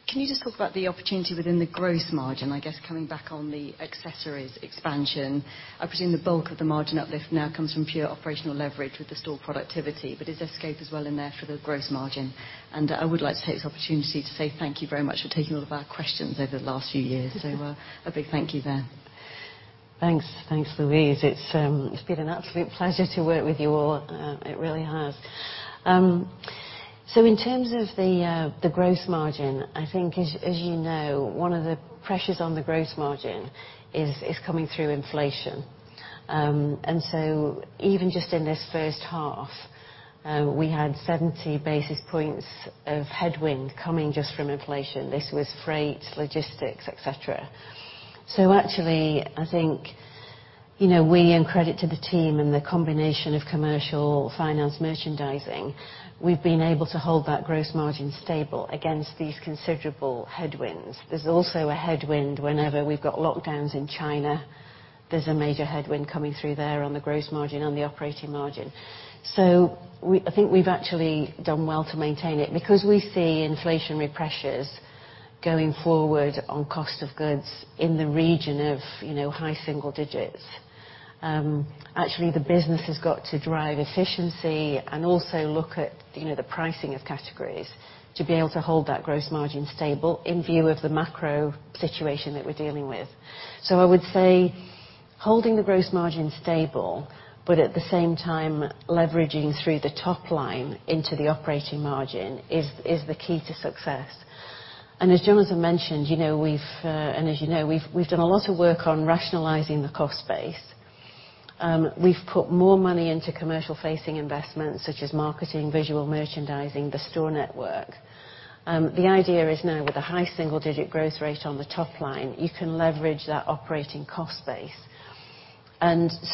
Can you just talk about the opportunity within the gross margin? I guess coming back on the accessories expansion. I presume the bulk of the margin uplift now comes from pure operational leverage with the store productivity, but is scale as well in there for the gross margin? I would like to take this opportunity to say thank you very much for taking all of our questions over the last few years. A big thank you there. Thanks, Louise. It's been an absolute pleasure to work with you all. It really has. In terms of the gross margin, I think as you know, one of the pressures on the gross margin is coming through inflation. Even just in this first half, we had 70 basis points of headwind coming just from inflation. This was freight, logistics, etc.. Actually, I think, you know, and credit to the team and the combination of commercial finance, merchandising, we've been able to hold that gross margin stable against these considerable headwinds. There's also a headwind whenever we've got lockdowns in China. There's a major headwind coming through there on the gross margin, on the operating margin. I think we've actually done well to maintain it. We see inflationary pressures going forward on cost of goods in the region of, you know, high single digits, actually the business has got to drive efficiency and also look at, you know, the pricing of categories to be able to hold that gross margin stable in view of the macro situation that we're dealing with. I would say holding the gross margin stable, but at the same time, leveraging through the top line into the operating margin is the key to success. As Jonathan mentioned, you know, as you know, we've done a lot of work on rationalizing the cost base. We've put more money into commercial-facing investments such as marketing, visual merchandising, the store network. The idea is now with a high single digit growth rate on the top line, you can leverage that operating cost base.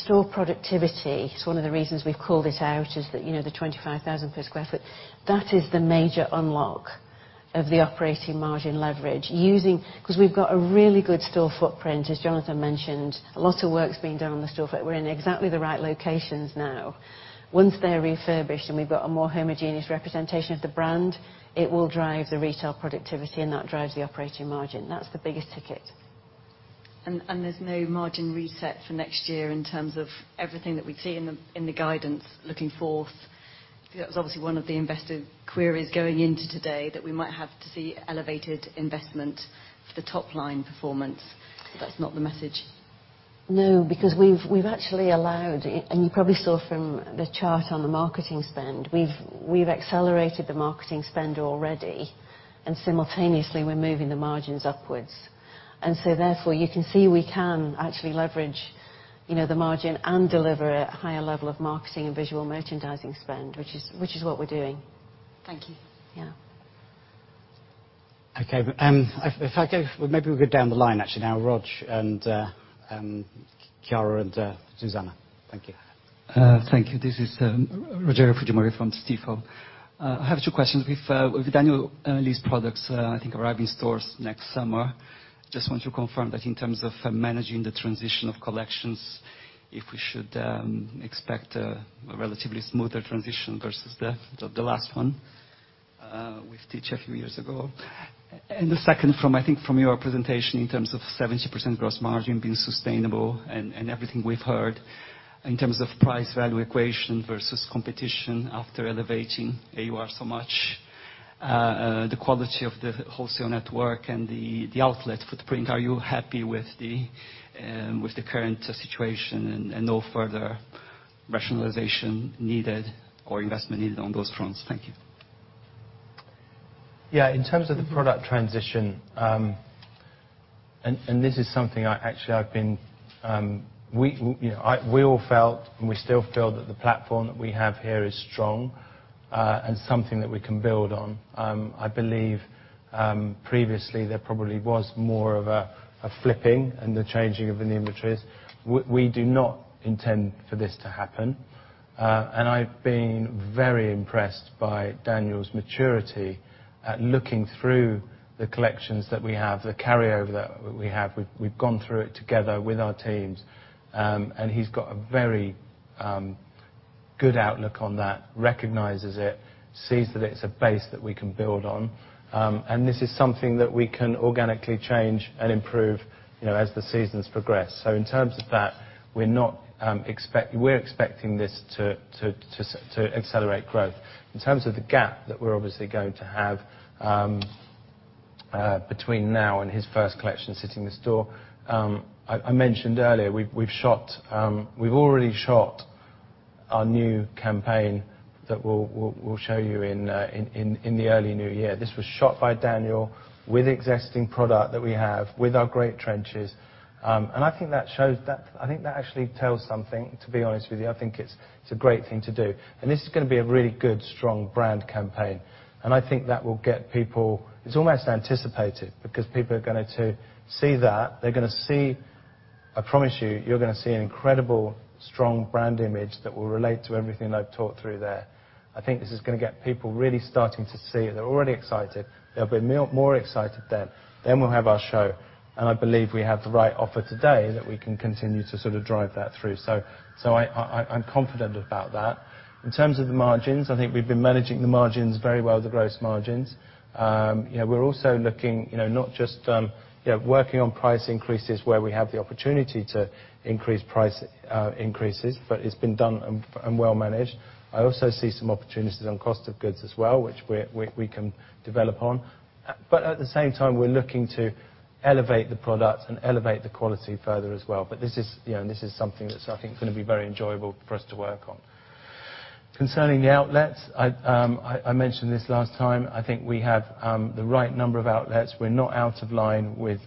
Store productivity, it's one of the reasons we've called this out, is that, you know, the 25,000 sq ft, that is the major unlock of the operating margin leverage. Because we've got a really good store footprint, as Jonathan mentioned, a lot of work's been done on the store footprint. We're in exactly the right locations now. Once they're refurbished, and we've got a more homogeneous representation of the brand, it will drive the retail productivity, and that drives the operating margin. That's the biggest ticket. There's no margin reset for next year in terms of everything that we see in the guidance looking forth. That was obviously one of the investor queries going into today that we might have to see elevated investment for the top-line performance. That's not the message. No, because we've actually allowed, and you probably saw from the chart on the marketing spend, we've accelerated the marketing spend already, and simultaneously, we're moving the margins upwards. Therefore, you can see we can actually leverage, you know, the margin and deliver a higher level of marketing and visual merchandising spend, which is what we're doing. Thank you. Yeah. Okay. Maybe we'll go down the line actually now. Rog and Chiara and Zuzanna. Thank you. Thank you. This is Rogério Fujimori from Stifel. I have two questions. With Daniel Lee's products, I think arriving in stores next summer, just want to confirm that in terms of managing the transition of collections, if we should expect a relatively smoother transition versus the last one with Riccardo Tisci a few years ago. The second, I think from your presentation in terms of 70% gross margin being sustainable and everything we've heard in terms of price value equation versus competition after elevating AUR so much, the quality of the wholesale network and the outlet footprint, are you happy with the current situation and no further rationalization needed or investment needed on those fronts? Thank you. Yeah. In terms of the product transition, this is something actually, you know, we all felt, and we still feel that the platform that we have here is strong and something that we can build on. I believe previously there probably was more of a flipping and the changing of the inventories. We do not intend for this to happen. I've been very impressed by Daniel's maturity at looking through the collections that we have, the carryover that we have. We've gone through it together with our teams. He's got a very good outlook on that, recognizes it, sees that it's a base that we can build on. This is something that we can organically change and improve, you know, as the seasons progress. In terms of that, we're expecting this to accelerate growth. In terms of the gap that we're obviously going to have between now and his first collection sitting in store, I mentioned earlier, we've already shot our new campaign that we'll show you in the early new year. This was shot by Daniel with existing product that we have with our great trenches. I think that actually tells something, to be honest with you. I think it's a great thing to do, and this is gonna be a really good, strong brand campaign. I think that will get people. It's almost anticipated because people are going to see that. I promise you're gonna see an incredible strong brand image that will relate to everything I've talked through there. I think this is gonna get people really starting to see. They're already excited. They'll be more excited then. We'll have our show, and I believe we have the right offer today that we can continue to sort of drive that through. I'm confident about that. In terms of the margins, I think we've been managing the margins very well, the gross margins. You know, we're also looking, you know, not just, you know, working on price increases where we have the opportunity to increase price increases, but it's been done and well managed. I also see some opportunities on cost of goods as well, which we can develop on. At the same time, we're looking to elevate the product and elevate the quality further as well. You know, this is something that's, I think, gonna be very enjoyable for us to work on. Concerning the outlets, I mentioned this last time, I think we have the right number of outlets. We're not out of line with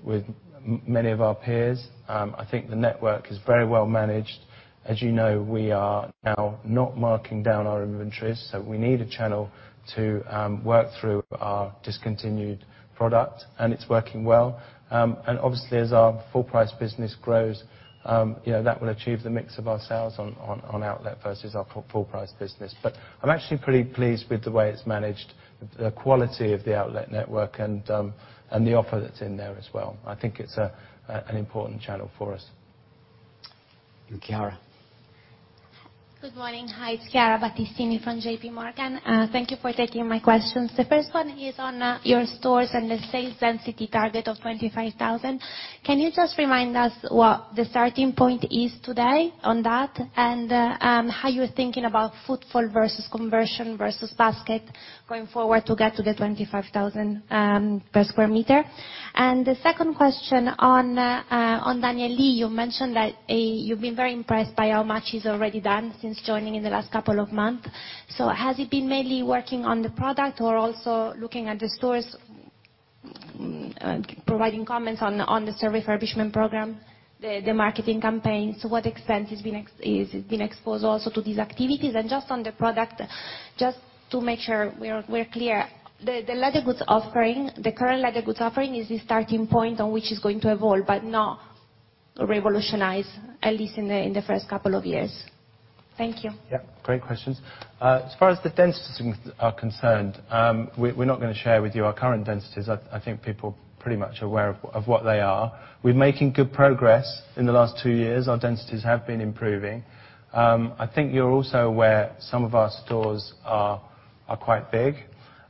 many of our peers. I think the network is very well managed. As you know, we are now not marking down our inventories, so we need a channel to work through our discontinued product, and it's working well. Obviously, as our full price business grows, you know, that will achieve the mix of our sales on outlet versus our full price business. I'm actually pretty pleased with the way it's managed, the quality of the outlet network and the offer that's in there as well. I think it's an important channel for us. Chiara. Good morning. Hi, it's Chiara Battistini from J.P. Morgan. Thank you for taking my questions. The first one is on your stores and the sales density target of 25,000. Can you just remind us what the starting point is today on that and how you're thinking about footfall versus conversion versus basket going forward to get to the 25,000 sq m? The second question on Daniel Lee, you mentioned that you've been very impressed by how much he's already done since joining in the last couple of months. Has he been mainly working on the product or also looking at the stores, providing comments on the store refurbishment program, the marketing campaigns? To what extent he's been exposed also to these activities? Just on the product, just to make sure we're clear, the current leather goods offering is the starting point on which he's going to evolve but not revolutionize, at least in the first couple of years. Thank you. Yeah, great questions. As far as the densities are concerned, we're not gonna share with you our current densities. I think people are pretty much aware of what they are. We're making good progress. In the last two-years, our densities have been improving. I think you're also aware some of our stores are quite big.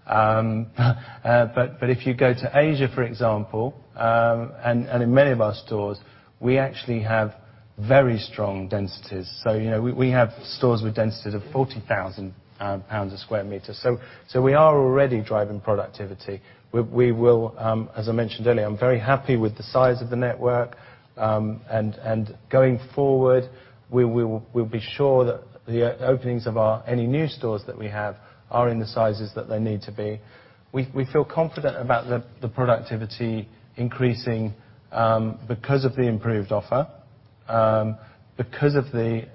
If you go to Asia, for example, and in many of our stores, we actually have very strong densities. You know, we have stores with densities of 40,000 pounds sq m. We are already driving productivity. As I mentioned earlier, I'm very happy with the size of the network. Going forward, we'll be sure that the openings of any new stores that we have are in the sizes that they need to be. We feel confident about the productivity increasing because of the improved offer, because of the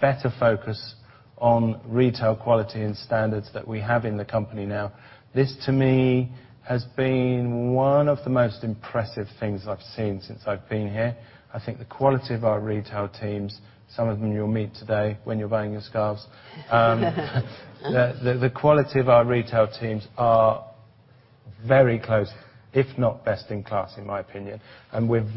better focus on retail quality and standards that we have in the company now. This, to me, has been one of the most impressive things I've seen since I've been here. I think the quality of our retail teams, some of them you'll meet today when you're buying your scarves. The quality of our retail teams are very close, if not best in class, in my opinion.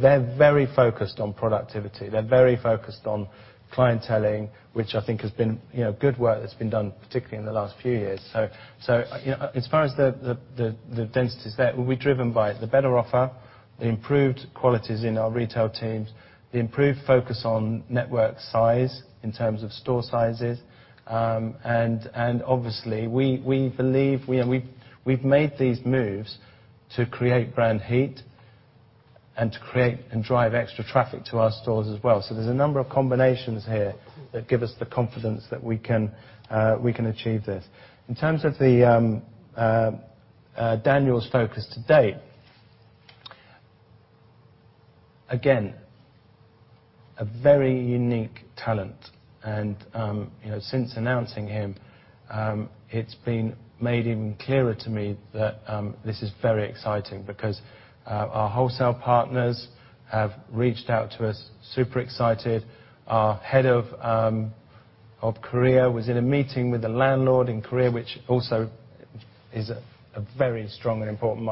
They're very focused on productivity. They're very focused on clienteling, which I think has been, you know, good work that's been done, particularly in the last few years. You know, as far as the density's there, we'll be driven by the better offer, the improved qualities in our retail teams, the improved focus on network size in terms of store sizes. Obviously, we believe, you know, we've made these moves to create brand heat. To create and drive extra traffic to our stores as well. There's a number of combinations here that give us the confidence that we can achieve this. In terms of Daniel's focus to date, again, a very unique talent. You know, since announcing him, it's been made even clearer to me that this is very exciting because our wholesale partners have reached out to us super excited. Our head of Korea was in a meeting with the landlord in Korea, which also is a very strong and important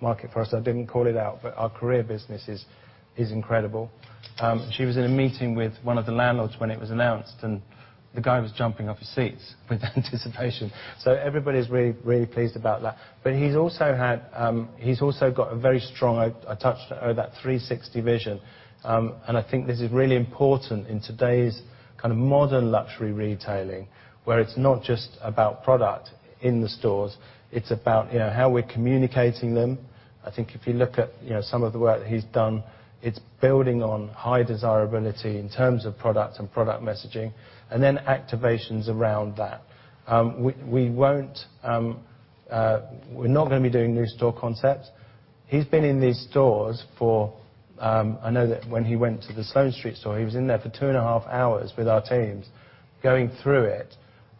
market for us. I didn't call it out, but our Korea business is incredible. She was in a meeting with one of the landlords when it was announced, and the guy was jumping off his seats with anticipation. Everybody is really pleased about that. He's also got a very strong, I touched earlier, that 360 vision. I think this is really important in today's kind of modern luxury retailing, where it's not just about product in the stores, it's about, you know, how we're communicating them. I think if you look at, you know, some of the work he's done, it's building on high desirability in terms of products and product messaging, and then activations around that. We're not gonna be doing new store concepts. I know that when he went to the Sloane Street store, he was in there for two and a half hours with our teams, going through it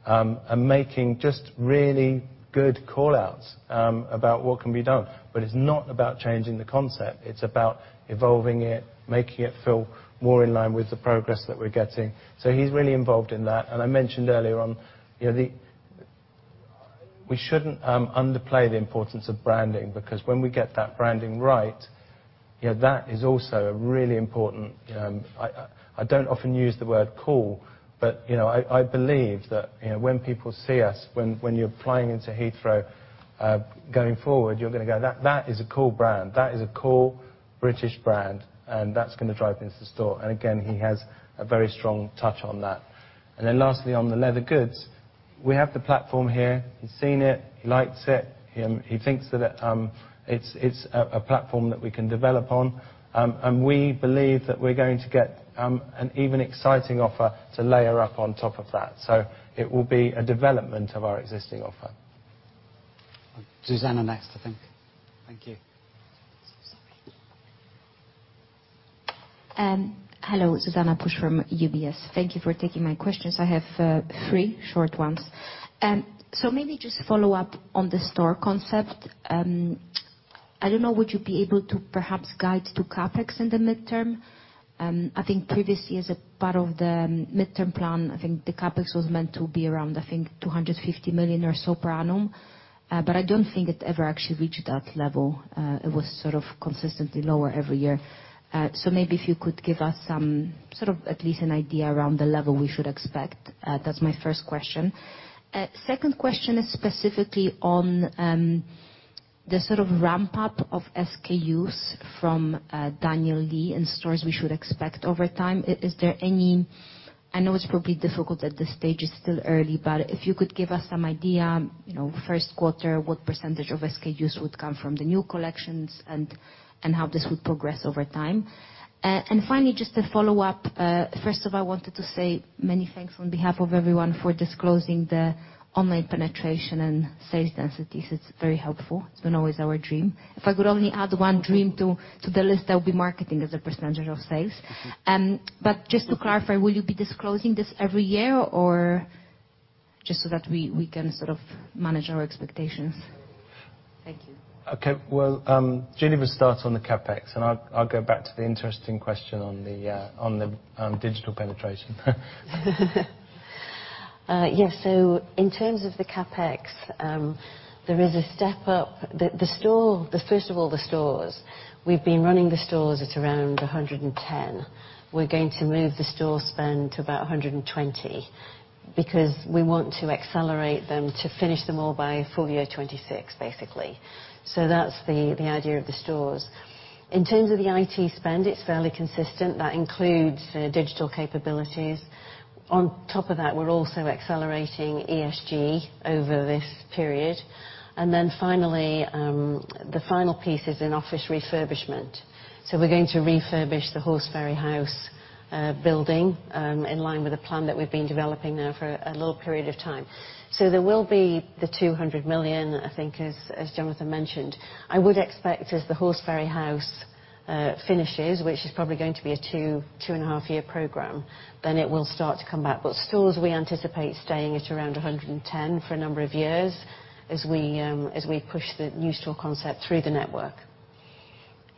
and making just really good call-outs about what can be done. It's not about changing the concept, it's about evolving it, making it feel more in line with the progress that we're getting. He's really involved in that. We shouldn't underplay the importance of branding, because when we get that branding right, you know. I don't often use the word cool, but, you know, I believe that, you know, when people see us, when you're flying into Heathrow going forward, you're gonna go, "That is a cool brand. That is a cool British brand," and that's gonna drive into the store. Again, he has a very strong touch on that. Lastly, on the leather goods, we have the platform here. He's seen it. He likes it. He thinks that it's a platform that we can develop on. We believe that we're going to get an even exciting offer to layer up on top of that. It will be a development of our existing offer. Zuzanna next, I think. Thank you. Sorry. Hello. Zuzanna Pusz from UBS. Thank you for taking my questions. I have three short ones. Maybe just follow up on the store concept. I don't know, would you be able to perhaps guide to CapEx in the midterm? I think previously, as a part of the midterm plan, I think the CapEx was meant to be around, I think, 250 million or so per annum. I don't think it ever actually reached that level. It was sort of consistently lower every year. Maybe if you could give us some, sort of, at least an idea around the level we should expect. That's my first question. Second question is specifically on the sort of ramp-up of SKUs from Daniel Lee in stores we should expect over time. I know it's probably difficult at this stage. It's still early. If you could give us some idea, you know, first quarter, what % of SKUs would come from the new collections and how this would progress over time. Finally, just to follow up, first of all, I wanted to say many thanks on behalf of everyone for disclosing the online penetration and sales densities. It's very helpful. It's been always our dream. If I could only add one dream to the list, that would be marketing as a % of sales. Just to clarify, will you be disclosing this every year? Just so that we can sort of manage our expectations. Thank you. Okay. Well, Julie will start on the CapEx, and I'll go back to the interesting question on the digital penetration. Yes, in terms of the CapEx, there is a step up. First of all, we've been running the stores at around 110. We're going to move the store spend to about 120 because we want to accelerate them to finish them all by full year 2026, basically. That's the idea of the stores. In terms of the IT spend, it's fairly consistent. That includes the digital capabilities. On top of that, we're also accelerating ESG over this period. Finally, the final piece is in office refurbishment. We're going to refurbish the Horseferry House building in line with a plan that we've been developing now for a little period of time. There will be the 200 million, I think, as Jonathan mentioned. I would expect as the Horseferry House finishes, which is probably going to be a two and a half-year program, then it will start to come back. Stores, we anticipate staying at around 110 for a number of years as we push the new store concept through the network.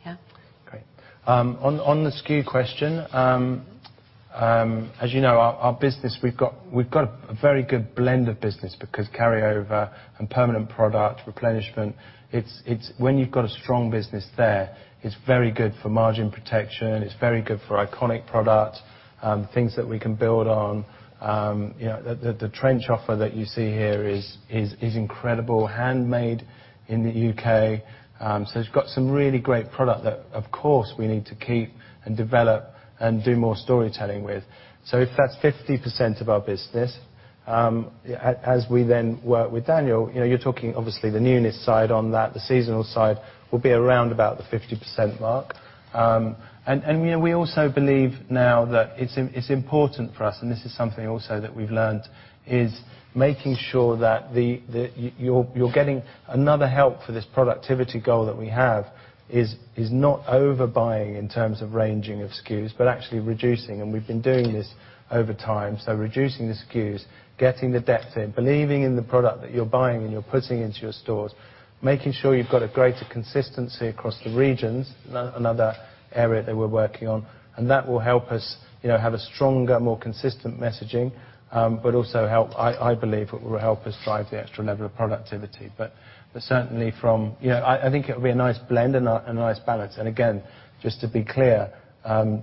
Yeah. Great. On the SKU question, as you know, our business, we've got a very good blend of business because carryover and permanent product replenishment, when you've got a strong business there, it's very good for margin protection. It's very good for iconic product, things that we can build on. You know, the trench offer that you see here is incredible. Handmade in the U.K. It's got some really great product that, of course, we need to keep and develop and do more storytelling with. If that's 50% of our business, as we then work with Daniel, you know, you're talking obviously the newness side on that. The seasonal side will be around about the 50% mark. You know, we also believe now that it's important for us, and this is something also that we've learned, is making sure that you're getting another help for this productivity goal that we have is not overbuying in terms of ranging of SKUs, but actually reducing. We've been doing this over time. Reducing the SKUs, getting the depth in, believing in the product that you're buying and you're putting into your stores. Making sure you've got a greater consistency across the regions, another area that we're working on, and that will help us, you know, have a stronger, more consistent messaging, but also help, I believe will help us drive the extra level of productivity. You know, I think it will be a nice blend and a nice balance. Again, just to be clear,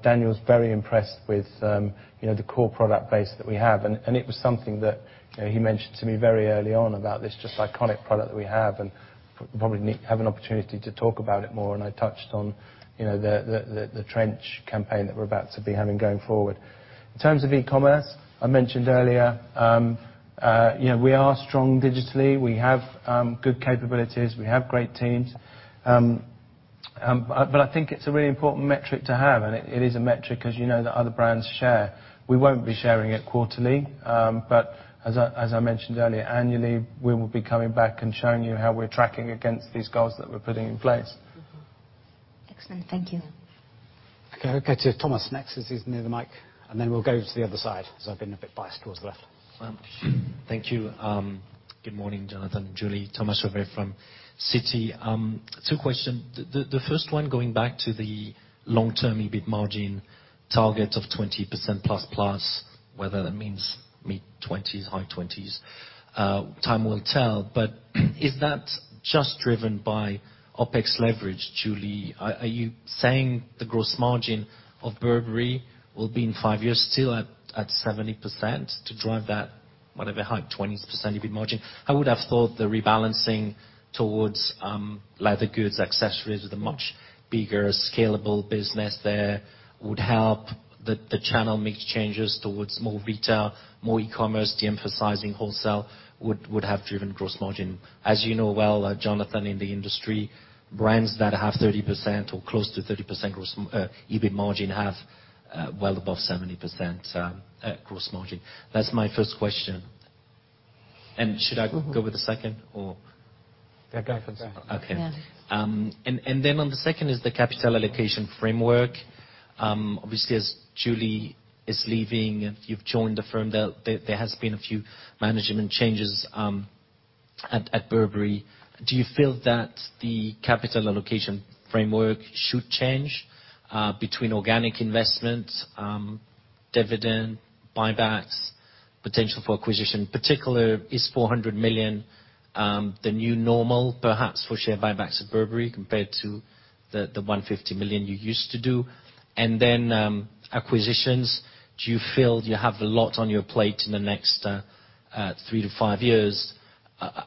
Daniel's very impressed with, you know, the core product base that we have. It was something that, you know, he mentioned to me very early on about this just iconic product that we have, and probably need to have an opportunity to talk about it more. I touched on, you know, the trench campaign that we're about to be having going forward. In terms of e-commerce, I mentioned earlier, you know, we are strong digitally. We have good capabilities. We have great teams. I think it's a really important metric to have, and it is a metric, as you know, that other brands share. We won't be sharing it quarterly. As I mentioned earlier, annually, we will be coming back and showing you how we're tracking against these goals that we're putting in place. Mm-hmm. Excellent. Thank you. Okay. We'll go to Thomas next, as he's near the mic. We'll go to the other side, because I've been a bit biased toward the left. Thank you. Good morning, Jonathan, Julie. Thomas Chauvet from Citi. Two question. The first one, going back to the long-term EBITDA margin target of 20%+, whether that means mid-20s, high 20s, time will tell. Is that just driven by OpEx leverage, Julie? Are you saying the gross margin of Burberry will be in five years still at 70% to drive that, whatever, high 20% EBITDA margin? I would have thought the rebalancing towards leather goods, accessories with a much bigger scalable business there would help the channel mix changes towards more retail, more e-commerce. De-emphasizing wholesale would have driven gross margin. As you know well, Jonathan, in the industry, brands that have 30% or close to 30% gross EBITDA margin have well above 70% gross margin. That's my first question. Should I go with the second, or? Yeah, go for the second. Okay. Yeah. On the second is the capital allocation framework. Obviously, as Julie is leaving and you've joined the firm, there has been a few management changes at Burberry. Do you feel that the capital allocation framework should change between organic investment, dividend, buybacks, potential for acquisition? Particularly, is 400 million the new normal perhaps for share buybacks at Burberry compared to the 150 million you used to do? Acquisitions. Do you feel you have a lot on your plate in the next three to five-years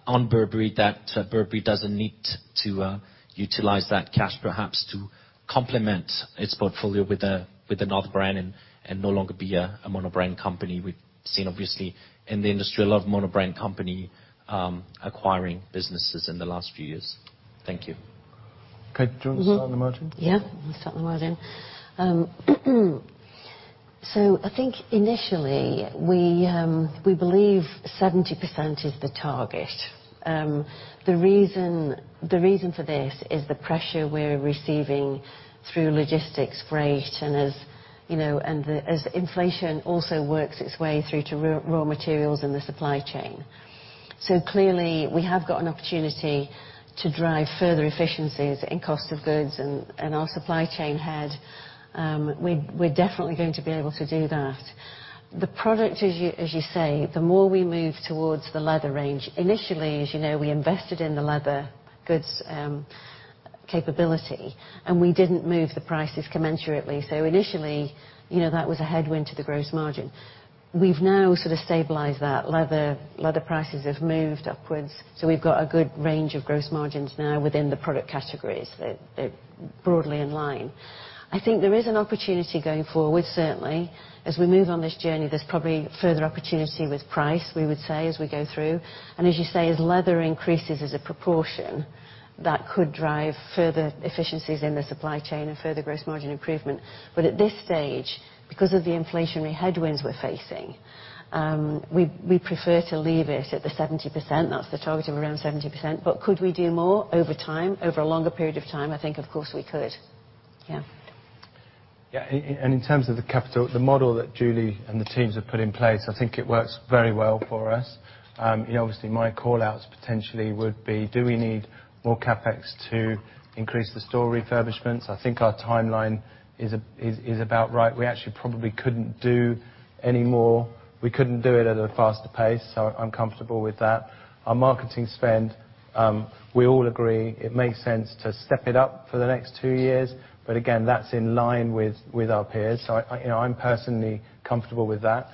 on Burberry, that Burberry doesn't need to utilize that cash perhaps to complement its portfolio with another brand and no longer be a monobrand company? We've seen, obviously, in the industry, a lot of monobrand companies acquiring businesses in the last few years. Thank you. Okay. Do you want to start on the margin? Yeah, I'll start on the margin. I think initially, we believe 70% is the target. The reason for this is the pressure we're receiving through logistics, freight, and as, you know, inflation also works its way through to raw materials in the supply chain. Clearly, we have got an opportunity to drive further efficiencies in cost of goods and our supply chain ahead. We're definitely going to be able to do that. The product, as you say, the more we move towards the leather range. Initially, as you know, we invested in the leather goods capability, and we didn't move the prices commensurately. Initially, you know, that was a headwind to the gross margin. We've now sort of stabilized that. Leather prices have moved upwards, so we've got a good range of gross margins now within the product categories. They're broadly in line. I think there is an opportunity going forward, certainly. As we move on this journey, there's probably further opportunity with price, we would say, as we go through. As you say, as leather increases as a proportion, that could drive further efficiencies in the supply chain and further gross margin improvement. At this stage, because of the inflationary headwinds we're facing, we prefer to leave it at 70%. That's the target of around 70%. Could we do more over time, over a longer period of time? I think of course we could. Yeah. Yeah. In terms of the capital, the model that Julie and the teams have put in place, I think it works very well for us. You know, obviously my call-outs potentially would be do we need more CapEx to increase the store refurbishments? I think our timeline is about right. We actually probably couldn't do any more. We couldn't do it at a faster pace. I'm comfortable with that. Our marketing spend, we all agree it makes sense to step it up for the next two-years. Again, that's in line with our peers. I, you know, I'm personally comfortable with that.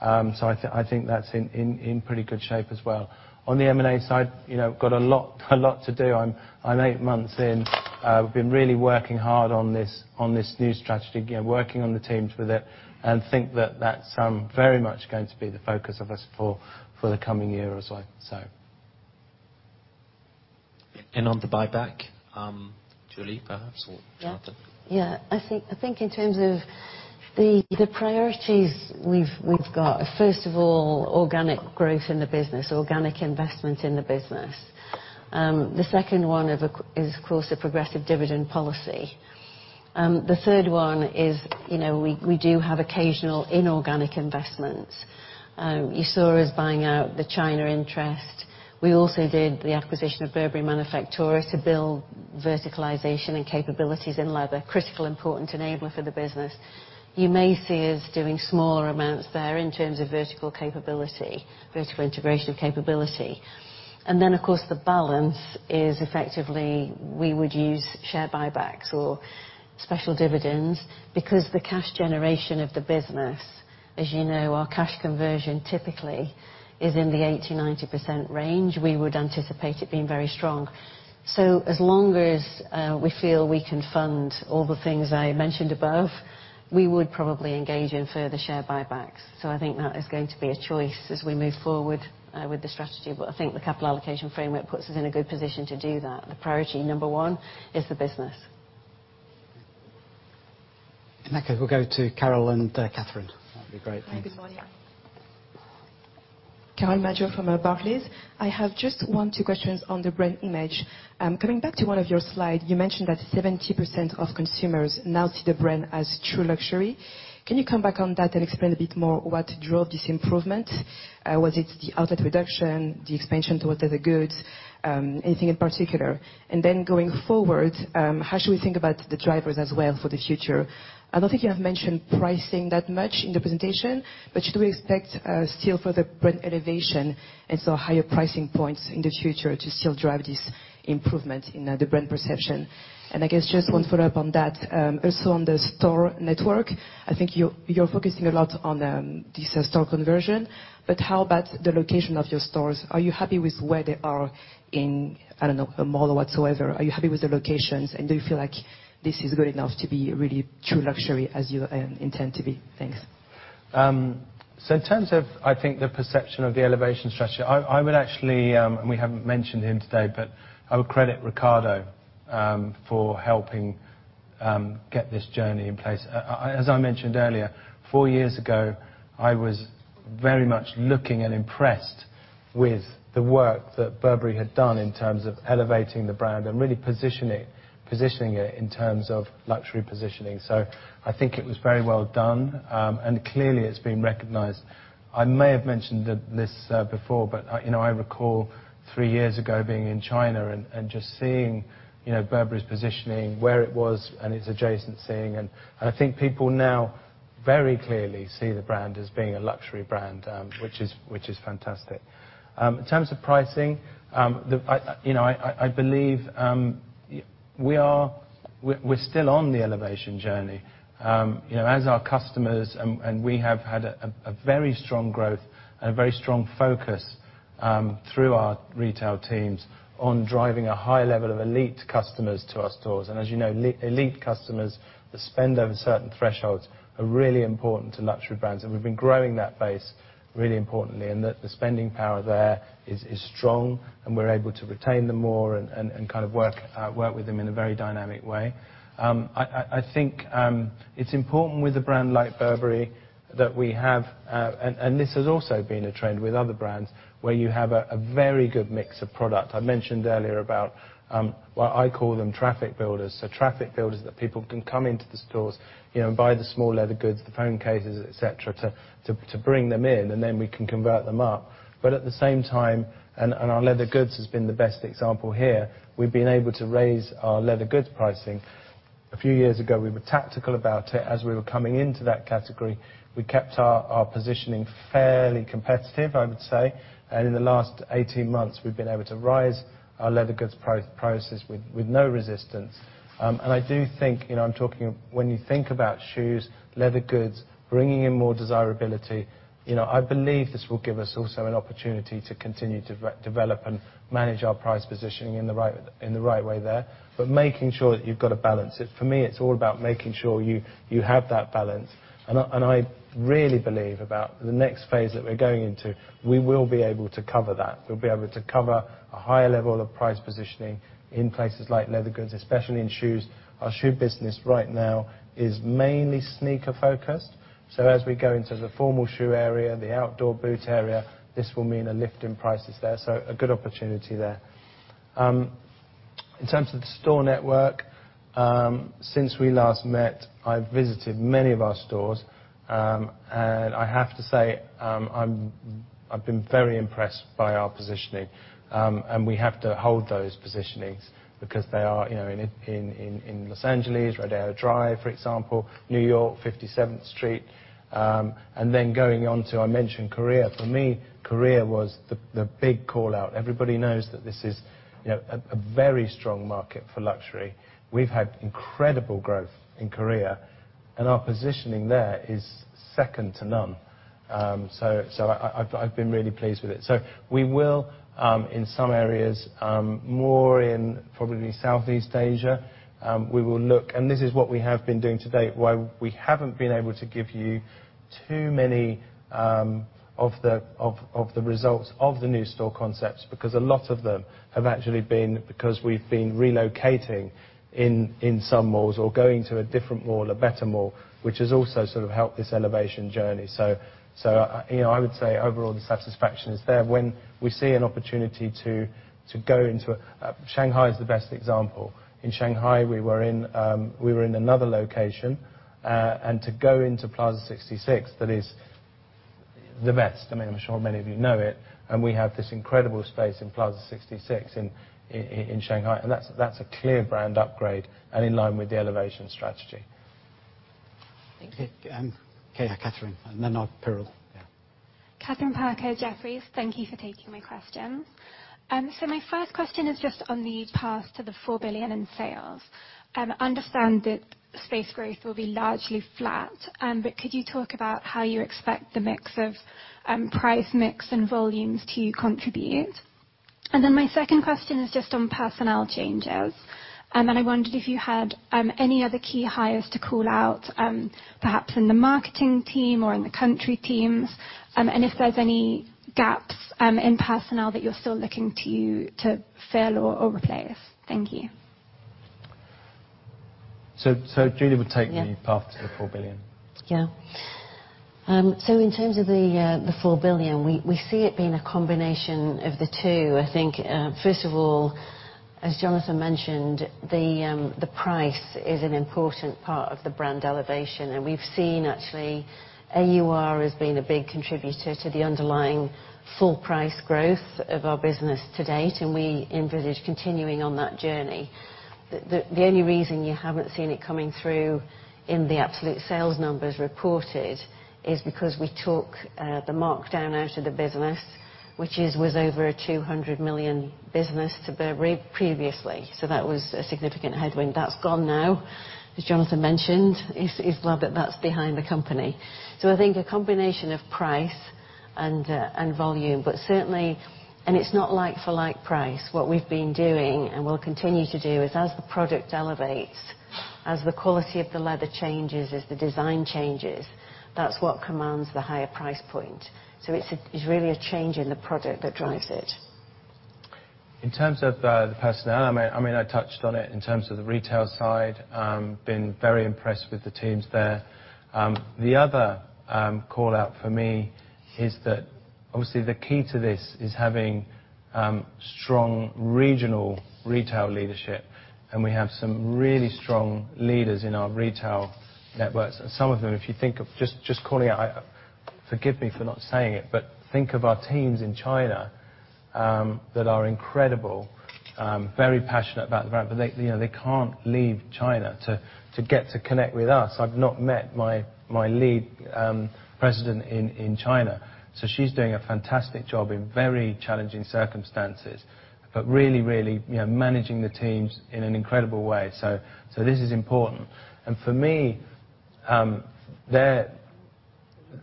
I think that's in pretty good shape as well. On the M&A side, you know, got a lot to do. I'm eight months in. We've been really working hard on this new strategy. Again, working on the teams with it, and think that that's very much going to be the focus of us for the coming year as well. On the buyback, Julie, perhaps, or Jonathan? I think in terms of the priorities we've got, first of all, organic growth in the business, organic investment in the business. The second one is of course a progressive dividend policy. The third one is, you know, we do have occasional inorganic investments. You saw us buying out the China interest. We also did the acquisition of Burberry Manifattura to build verticalization and capabilities in leather, critical important enabler for the business. You may see us doing smaller amounts there in terms of vertical capability, vertical integration capability. Of course the balance is effectively we would use share buybacks or special dividends because the cash generation of the business, as you know, our cash conversion typically is in the 80%-90% range. We would anticipate it being very strong. As long as we feel we can fund all the things I mentioned above, we would probably engage in further share buybacks. I think that is going to be a choice as we move forward with the strategy. I think the capital allocation framework puts us in a good position to do that. The priority number one is the business. Next we'll go to Carole Madjo. That'd be great. Thanks. Hi. Good morning. Carole Madjo from Barclays. I have just one, two questions on the brand image. Coming back to one of your slide, you mentioned that 70% of consumers now see the brand as true luxury. Can you come back on that and explain a bit more what drove this improvement? Was it the outlet reduction, the expansion towards other goods, anything in particular? Going forward, how should we think about the drivers as well for the future? I don't think you have mentioned pricing that much in the presentation, but should we expect still further brand elevation and so higher pricing points in the future to still drive this improvement in the brand perception? I guess just one follow-up on that. Also on the store network, I think you're focusing a lot on this store conversion. How about the location of your stores? Are you happy with where they are in, I don't know, a mall whatsoever? Are you happy with the locations, and do you feel like this is good enough to be really true luxury as you intend to be? Thanks. In terms of, I think, the perception of the elevation strategy, I would actually, and we haven't mentioned him today, but I would credit Riccardo for helping get this journey in place. As I mentioned earlier, four years ago, I was very much looking and impressed with the work that Burberry had done in terms of elevating the brand and really positioning it in terms of luxury positioning. I think it was very well done. Clearly it's been recognized. I may have mentioned this before, but, you know, I recall three years ago being in China and just seeing, you know, Burberry's positioning, where it was and its adjacency. I think people now very clearly see the brand as being a luxury brand, which is fantastic. In terms of pricing, I, you know, I believe we're still on the elevation journey. You know, we have had a very strong growth and a very strong focus through our retail teams on driving a high level of elite customers to our stores. As you know, elite customers that spend over certain thresholds are really important to luxury brands, and we've been growing that base really importantly, and the spending power there is strong, and we're able to retain them more and kind of work with them in a very dynamic way. I think it's important with a brand like Burberry that we have, and this has also been a trend with other brands, where you have a very good mix of product. I mentioned earlier about, well, I call them traffic builders. Traffic builders that people can come into the stores, you know, and buy the small leather goods, the phone cases, etc., to bring them in, and then we can convert them up. At the same time, and our leather goods has been the best example here, we've been able to raise our leather goods pricing. A few years ago, we were tactical about it. As we were coming into that category, we kept our positioning fairly competitive, I would say. In the last 18 months, we've been able to raise our leather goods prices with no resistance. I do think, you know, I'm talking when you think about shoes, leather goods, bringing in more desirability, you know, I believe this will give us also an opportunity to continue to develop and manage our price positioning in the right way there. Making sure that you've got to balance it. For me, it's all about making sure you have that balance. I really believe about the next phase that we're going into, we will be able to cover that. We'll be able to cover a higher level of price positioning in places like leather goods, especially in shoes. Our shoe business right now is mainly sneaker-focused. As we go into the formal shoe area, the outdoor boot area, this will mean a lift in prices there. A good opportunity there. In terms of the store network, since we last met, I've visited many of our stores. I have to say, I've been very impressed by our positioning. We have to hold those positionings because they are, you know, in Los Angeles, Rodeo Drive, for example, New York, 57th Street. Going on to, I mentioned Korea. For me, Korea was the big call-out. Everybody knows that this is, you know, a very strong market for luxury. We've had incredible growth in Korea, and our positioning there is second to none. I've been really pleased with it. We will, in some areas, more in probably Southeast Asia, we will look. This is what we have been doing to date. Why we haven't been able to give you too many of the results of the new store concepts because a lot of them have actually been because we've been relocating in some malls or going to a different mall, a better mall, which has also sort of helped this elevation journey. You know, I would say overall the satisfaction is there. Shanghai is the best example. In Shanghai, we were in another location. To go into Plaza 66, that is the best. I mean, I'm sure many of you know it. We have this incredible space in Plaza 66 in Shanghai. That's a clear brand upgrade and in line with the elevation strategy. Thank you. Okay, Kathryn, and then Piral. Yeah. Kathryn Parker at Jefferies, thank you for taking my question. My first question is just on the path to the 4 billion in sales. Understand that space growth will be largely flat, but could you talk about how you expect the mix of price mix and volumes to contribute? My second question is just on personnel changes. I wondered if you had any other key hires to call out, perhaps in the marketing team or in the country teams, and if there's any gaps in personnel that you're still looking to fill or replace. Thank you. Julie would take. Yeah. The path to the 4 billion. Yeah. In terms of the 4 billion, we see it being a combination of the two. I think, first of all, as Jonathan mentioned, the price is an important part of the brand elevation. We've seen actually AUR has been a big contributor to the underlying full price growth of our business to date, and we envisage continuing on that journey. The only reason you haven't seen it coming through in the absolute sales numbers reported is because we took the markdown out of the business, which was over a 200 million business previously. That was a significant headwind. That's gone now. As Jonathan mentioned, well, that's behind the company. I think a combination of price and volume. Certainly. It's not like-for-like price. What we've been doing, and we'll continue to do, is as the product elevates, as the quality of the leather changes, as the design changes, that's what commands the higher price point. It's really a change in the product that drives it. In terms of the personnel, I mean, I touched on it in terms of the retail side. Been very impressed with the teams there. The other call-out for me is that obviously the key to this is having strong regional retail leadership, and we have some really strong leaders in our retail networks. Some of them, if you think of just calling out, forgive me for not saying it, but think of our teams in China that are incredible, very passionate about the brand, but they, you know, they can't leave China to get to connect with us. I've not met my lead President in China. She's doing a fantastic job in very challenging circumstances, but really, you know, managing the teams in an incredible way. This is important. For me,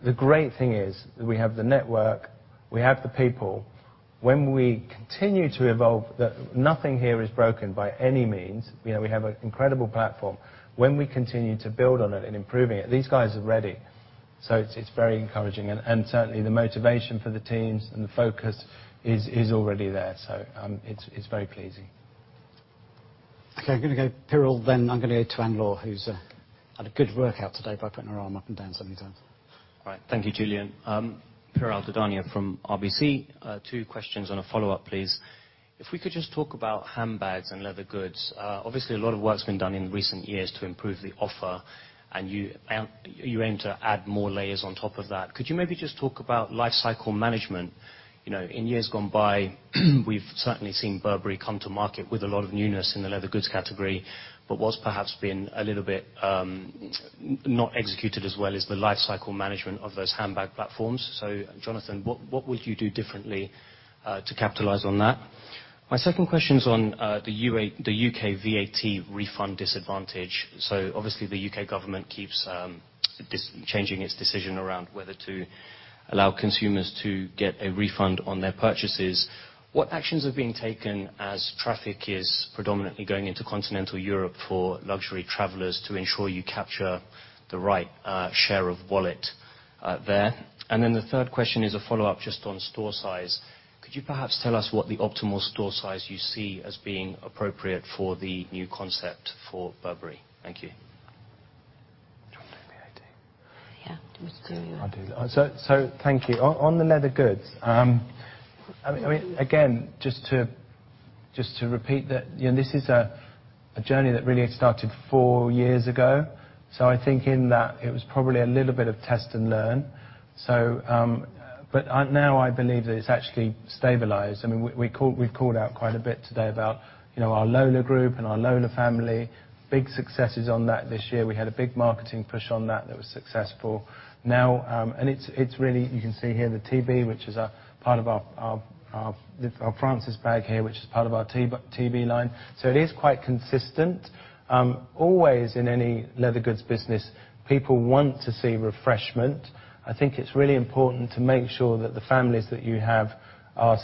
the great thing is that we have the network, we have the people. Nothing here is broken by any means. You know, we have an incredible platform. When we continue to build on it and improving it, these guys are ready. It's very encouraging. Certainly the motivation for the teams and the focus is already there. It's very pleasing. I'm gonna go to Piral Dadhania, then I'm gonna go to Anne-Laure Bismuth, who's had a good workout today by putting her arm up and down so many times. All right. Thank you, Julian. Piral Dadhania from RBC. Two questions and a follow-up, please. If we could just talk about handbags and leather goods. Obviously, a lot of work's been done in recent years to improve the offer, and you aim to add more layers on top of that. Could you maybe just talk about life cycle management? You know, in years gone by we've certainly seen Burberry come to market with a lot of newness in the leather goods category, but what's perhaps been a little bit not executed as well is the life cycle management of those handbag platforms. Jonathan, what would you do differently to capitalize on that? My second question's on the U.K. VAT refund disadvantage. Obviously, the U.K. government keeps changing its decision around whether to allow consumers to get a refund on their purchases. What actions are being taken as traffic is predominantly going into continental Europe for luxury travelers to ensure you capture the right share of wallet there? The third question is a follow-up just on store size. Could you perhaps tell us what the optimal store size you see as being appropriate for the new concept for Burberry? Thank you. I'll do that. Thank you. On the leather goods, I mean, again, just to repeat that, you know, this is a journey that really had started four years ago. I think in that it was probably a little bit of test and learn. Now I believe that it's actually stabilized. I mean, we've called out quite a bit today about, you know, our Lola group and our Lola family. Big successes on that this year. We had a big marketing push on that that was successful. Now, it's really, you can see here the T.B., which is a part of our Frances bag here, which is part of our T.B. line. It is quite consistent. Always in any leather goods business, people want to see refreshment. I think it's really important to make sure that the families that you have are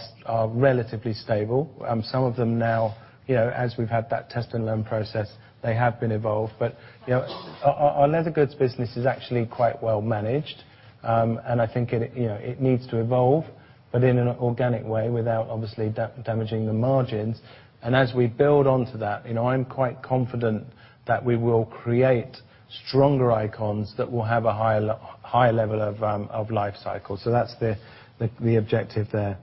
relatively stable. Some of them now, you know, as we've had that test and learn process, they have been evolved. You know, our leather goods business is actually quite well managed. I think it, you know, needs to evolve, but in an organic way without obviously damaging the margins. As we build onto that, you know, I'm quite confident that we will create stronger icons that will have a higher level of life cycle. That's the objective there.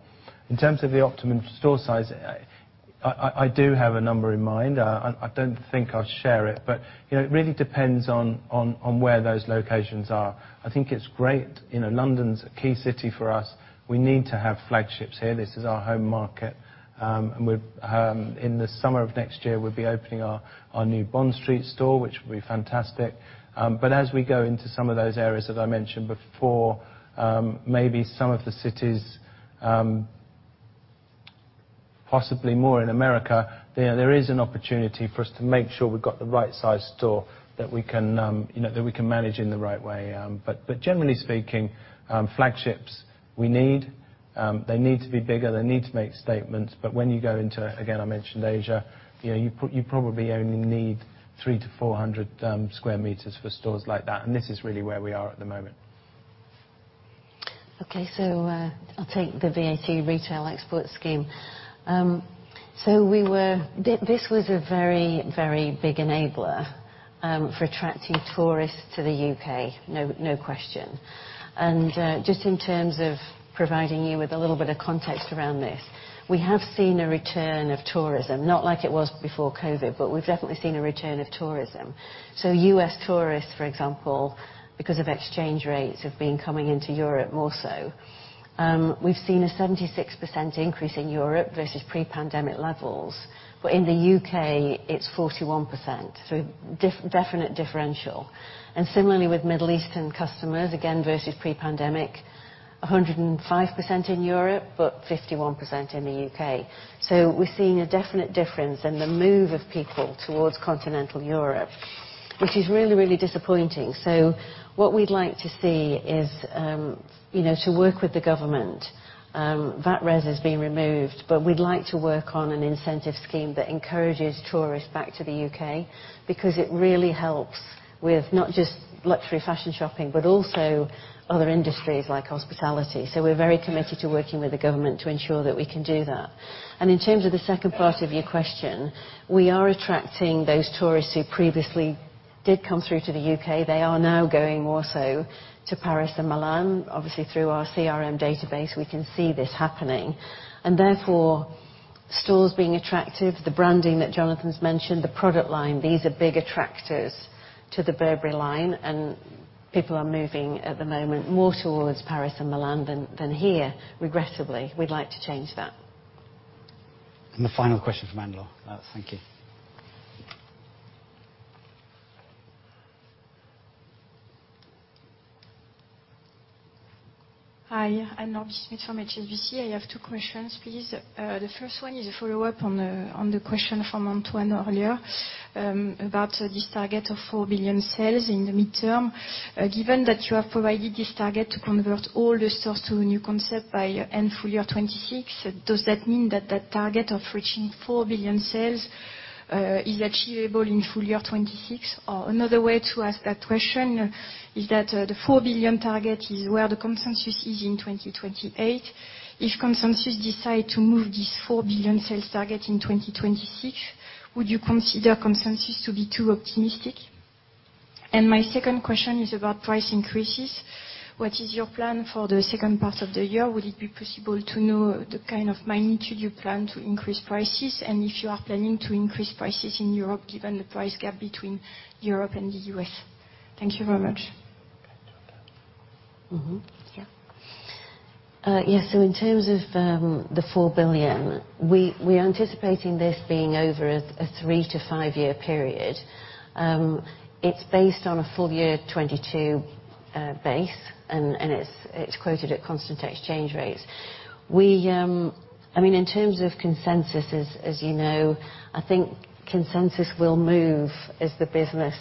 In terms of the optimum store size, I do have a number in mind. I don't think I'll share it, but, you know, it really depends on where those locations are. I think it's great. You know, London's a key city for us. We need to have flagships here. This is our home market. In the summer of next year, we'll be opening our new Bond Street store, which will be fantastic. As we go into some of those areas that I mentioned before, maybe some of the cities, possibly more in America, you know, there is an opportunity for us to make sure we've got the right size store that we can, you know, manage in the right way. Generally speaking, flagships, we need. They need to be bigger. They need to make statements. When you go into, again, I mentioned Asia, you know, you probably only need 300-400 sq m for stores like that. This is really where we are at the moment. I'll take the VAT Retail Export Scheme. This was a very, very big enabler for attracting tourists to the U.K. No question. Just in terms of providing you with a little bit of context around this, we have seen a return of tourism. Not like it was before COVID, but we've definitely seen a return of tourism. U.S., tourists, for example, because of exchange rates, have been coming into Europe more so. We've seen a 76% increase in Europe versus pre-pandemic levels. In the U.K., it's 41%. Definite differential. Similarly with Middle Eastern customers, again versus pre-pandemic, 105% in Europe, but 51% in the U.K. We're seeing a definite difference in the move of people towards continental Europe, which is really, really disappointing. What we'd like to see is, you know, to work with the government. VAT RES is being removed, but we'd like to work on an incentive scheme that encourages tourists back to the U.K. because it really helps with not just luxury fashion shopping, but also other industries like hospitality. We're very committed to working with the government to ensure that we can do that. In terms of the second part of your question, we are attracting those tourists who previously did come through to the U.K. They are now going more so to Paris and Milan. Obviously, through our CRM database, we can see this happening and therefore stores being attractive. The branding that Jonathan's mentioned, the product line, these are big attractors to the Burberry line. People are moving at the moment more towards Paris and Milan than here, regrettably. We'd like to change that. The final question from Anne-Laure Bismuth. Thank you. Hi, Anne-Laure Bismuth from HSBC. I have two questions, please. The first one is a follow-up on the question from Antoine earlier about this target of 4 billion sales in the midterm. Given that you have provided this target to convert all the stores to a new concept by end full year 2026, does that mean that target of reaching 4 billion sales is achievable in full year 2026? Another way to ask that question is that the 4 billion target is where the consensus is in 2028. If consensus decide to move this 4 billion sales target in 2026, would you consider consensus to be too optimistic? My second question is about price increases. What is your plan for the second part of the year? Would it be possible to know the kind of magnitude you plan to increase prices, and if you are planning to increase prices in Europe, given the price gap between Europe and the U.S.,? Thank you very much. Mm-hmm. Yeah. Yes. In terms of 4 billion, we're anticipating this being over a three to five-years period. It's based on a full year 2022 base, and it's quoted at constant exchange rates. I mean, in terms of consensus, as you know, I think consensus will move as the business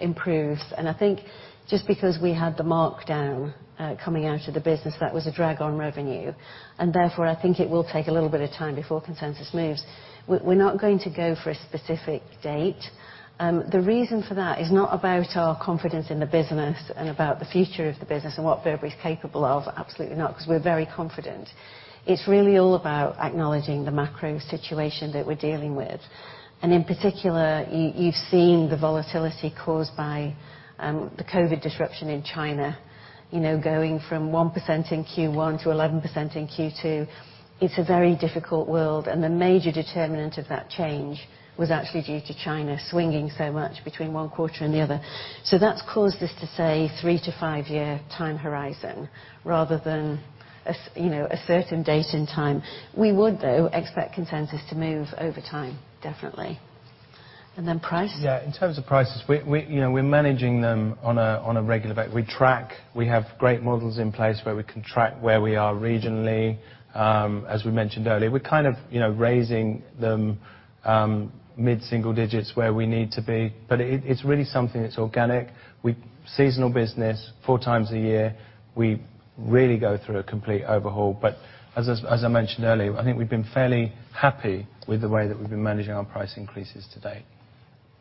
improves. I think just because we had the markdown coming out of the business, that was a drag on revenue, and therefore, I think it will take a little bit of time before consensus moves. We're not going to go for a specific date. The reason for that is not about our confidence in the business and about the future of the business and what Burberry is capable of. Absolutely not, because we're very confident. It's really all about acknowledging the macro situation that we're dealing with. In particular, you've seen the volatility caused by the COVID disruption in China. You know, going from 1% in Q1 to 11% in Q2. It's a very difficult world, and the major determinant of that change was actually due to China swinging so much between one quarter and the other. That's caused us to say three to five-years time horizon rather than, you know, a certain date and time. We would, though, expect consensus to move over time, definitely. Price? Yeah. In terms of prices, we, you know, we're managing them on a regular basis. We track. We have great models in place where we can track where we are regionally. As we mentioned earlier, we're kind of, you know, raising them mid-single digits where we need to be. It's really something that's organic. Seasonal business, four times a year, we really go through a complete overhaul. As I mentioned earlier, I think we've been fairly happy with the way that we've been managing our price increases to date.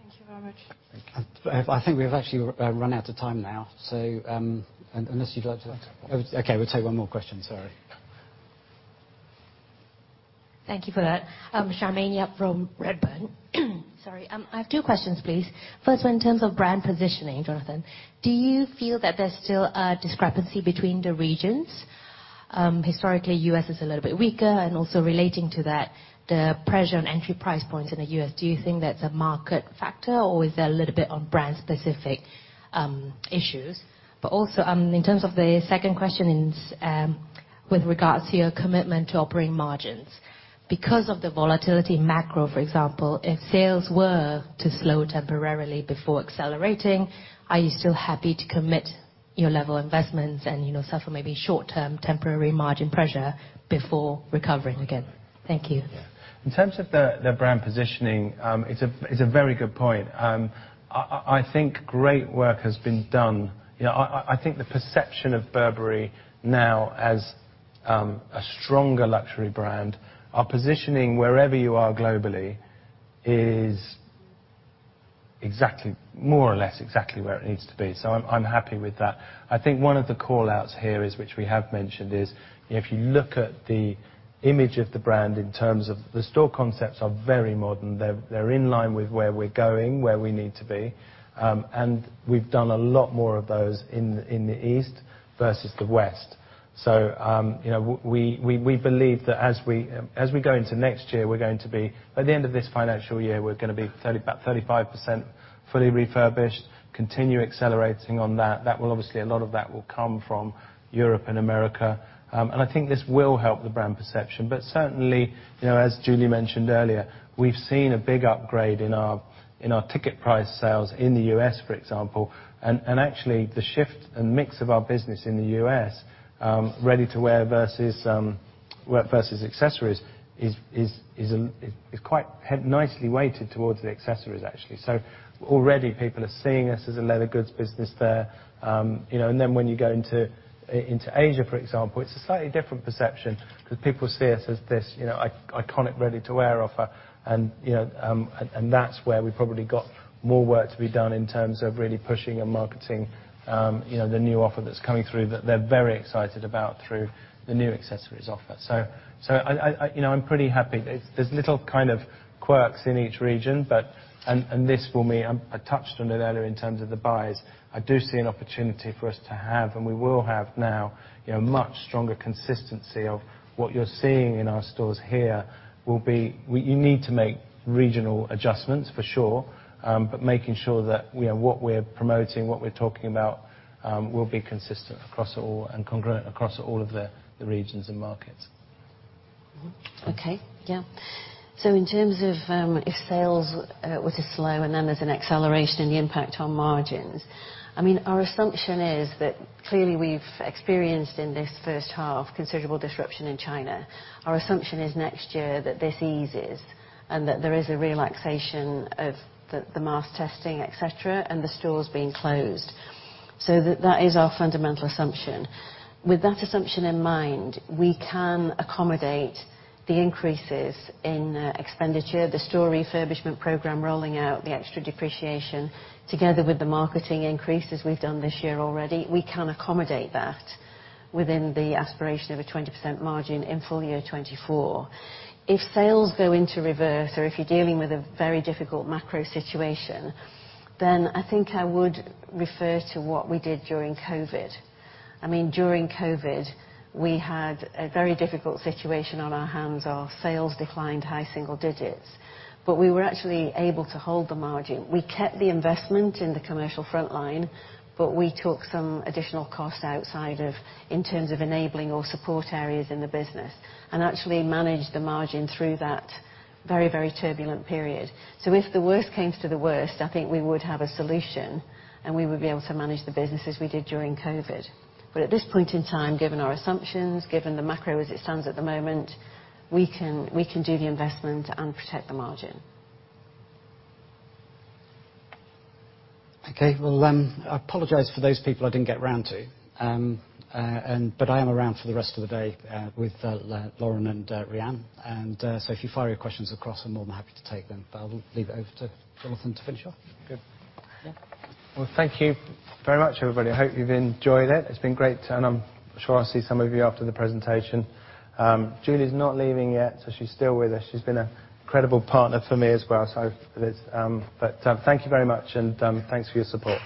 Thank you very much. Thank you. I think we've actually run out of time now. Okay. Okay, we'll take one more question. Sorry. Thank you for that. I'm Charmaine Yap from Redburn. Sorry, I have two questions, please. First one, in terms of brand positioning, Jonathan, do you feel that there's still a discrepancy between the regions? Historically, U.S., is a little bit weaker, and also relating to that, the pressure on entry price points in the U.S., do you think that's a market factor, or is that a little bit on brand-specific issues? In terms of the second question is, with regards to your commitment to operating margins. Because of the volatility in macro, for example, if sales were to slow temporarily before accelerating, are you still happy to commit your level investments and, you know, suffer maybe short-term temporary margin pressure before recovering again? Thank you. Yeah. In terms of the brand positioning, it's a very good point. I think great work has been done. You know, I think the perception of Burberry now as a stronger luxury brand, our positioning wherever you are globally is more or less exactly where it needs to be. I'm happy with that. I think one of the call-outs here, which we have mentioned, is if you look at the image of the brand in terms of the store concepts are very modern. They're in line with where we're going, where we need to be. We've done a lot more of those in the East versus the West. By the end of this financial year, we're gonna be about 35% fully refurbished, continue accelerating on that. That will obviously, a lot of that will come from Europe and America. I think this will help the brand perception. Certainly, you know, as Julie mentioned earlier, we've seen a big upgrade in our ticket price sales in the U.S., for example. Actually the shift and mix of our business in the U.S., ready-to-wear versus accessories is quite nicely weighted towards the accessories, actually. Already people are seeing us as a leather goods business there. You know, when you go into Asia, for example, it's a slightly different perception because people see us as this, you know, iconic ready-to-wear offer and, you know, and that's where we've probably got more work to be done in terms of really pushing and marketing, you know, the new offer that's coming through that they're very excited about through the new accessories offer. You know, I'm pretty happy. There's little kind of quirks in each region. This for me, I touched on it earlier in terms of the buys. I do see an opportunity for us to have, and we will have now, you know, much stronger consistency of what you're seeing in our stores here. You need to make regional adjustments, for sure. Making sure that what we're promoting, what we're talking about will be consistent across all and congruent across all of the regions and markets. Okay. Yeah. In terms of if sales were to slow and then there's an acceleration in the impact on margins, I mean, our assumption is that clearly we've experienced in this first half considerable disruption in China. Our assumption is next year that this eases and that there is a relaxation of the mask testing, etc., and the stores being closed. That is our fundamental assumption. With that assumption in mind, we can accommodate the increases in expenditure, the store refurbishment program rolling out, the extra depreciation, together with the marketing increases we've done this year already. We can accommodate that within the aspiration of a 20% margin in full year 2024. If sales go into reverse or if you're dealing with a very difficult macro situation, then I think I would refer to what we did during COVID. I mean, during COVID-19, we had a very difficult situation on our hands. Our sales declined high single digits, but we were actually able to hold the margin. We kept the investment in the commercial front line, but we took some additional costs in terms of enabling our support areas in the business, and actually managed the margin through that very turbulent period. If the worst came to the worst, I think we would have a solution, and we would be able to manage the business as we did during COVID-19. At this point in time, given our assumptions, given the macro as it stands at the moment, we can do the investment and protect the margin. Okay. Well, I apologize for those people I didn't get round to. I am around for the rest of the day with Lauren and Rhian. If you fire your questions across, I'm more than happy to take them. I'll leave it over to Jonathan to finish off. Good. Yeah. Well, thank you very much, everybody. I hope you've enjoyed it. It's been great, and I'm sure I'll see some of you after the presentation. Julie's not leaving yet, so she's still with us. She's been a incredible partner for me as well. Thank you very much and thanks for your support.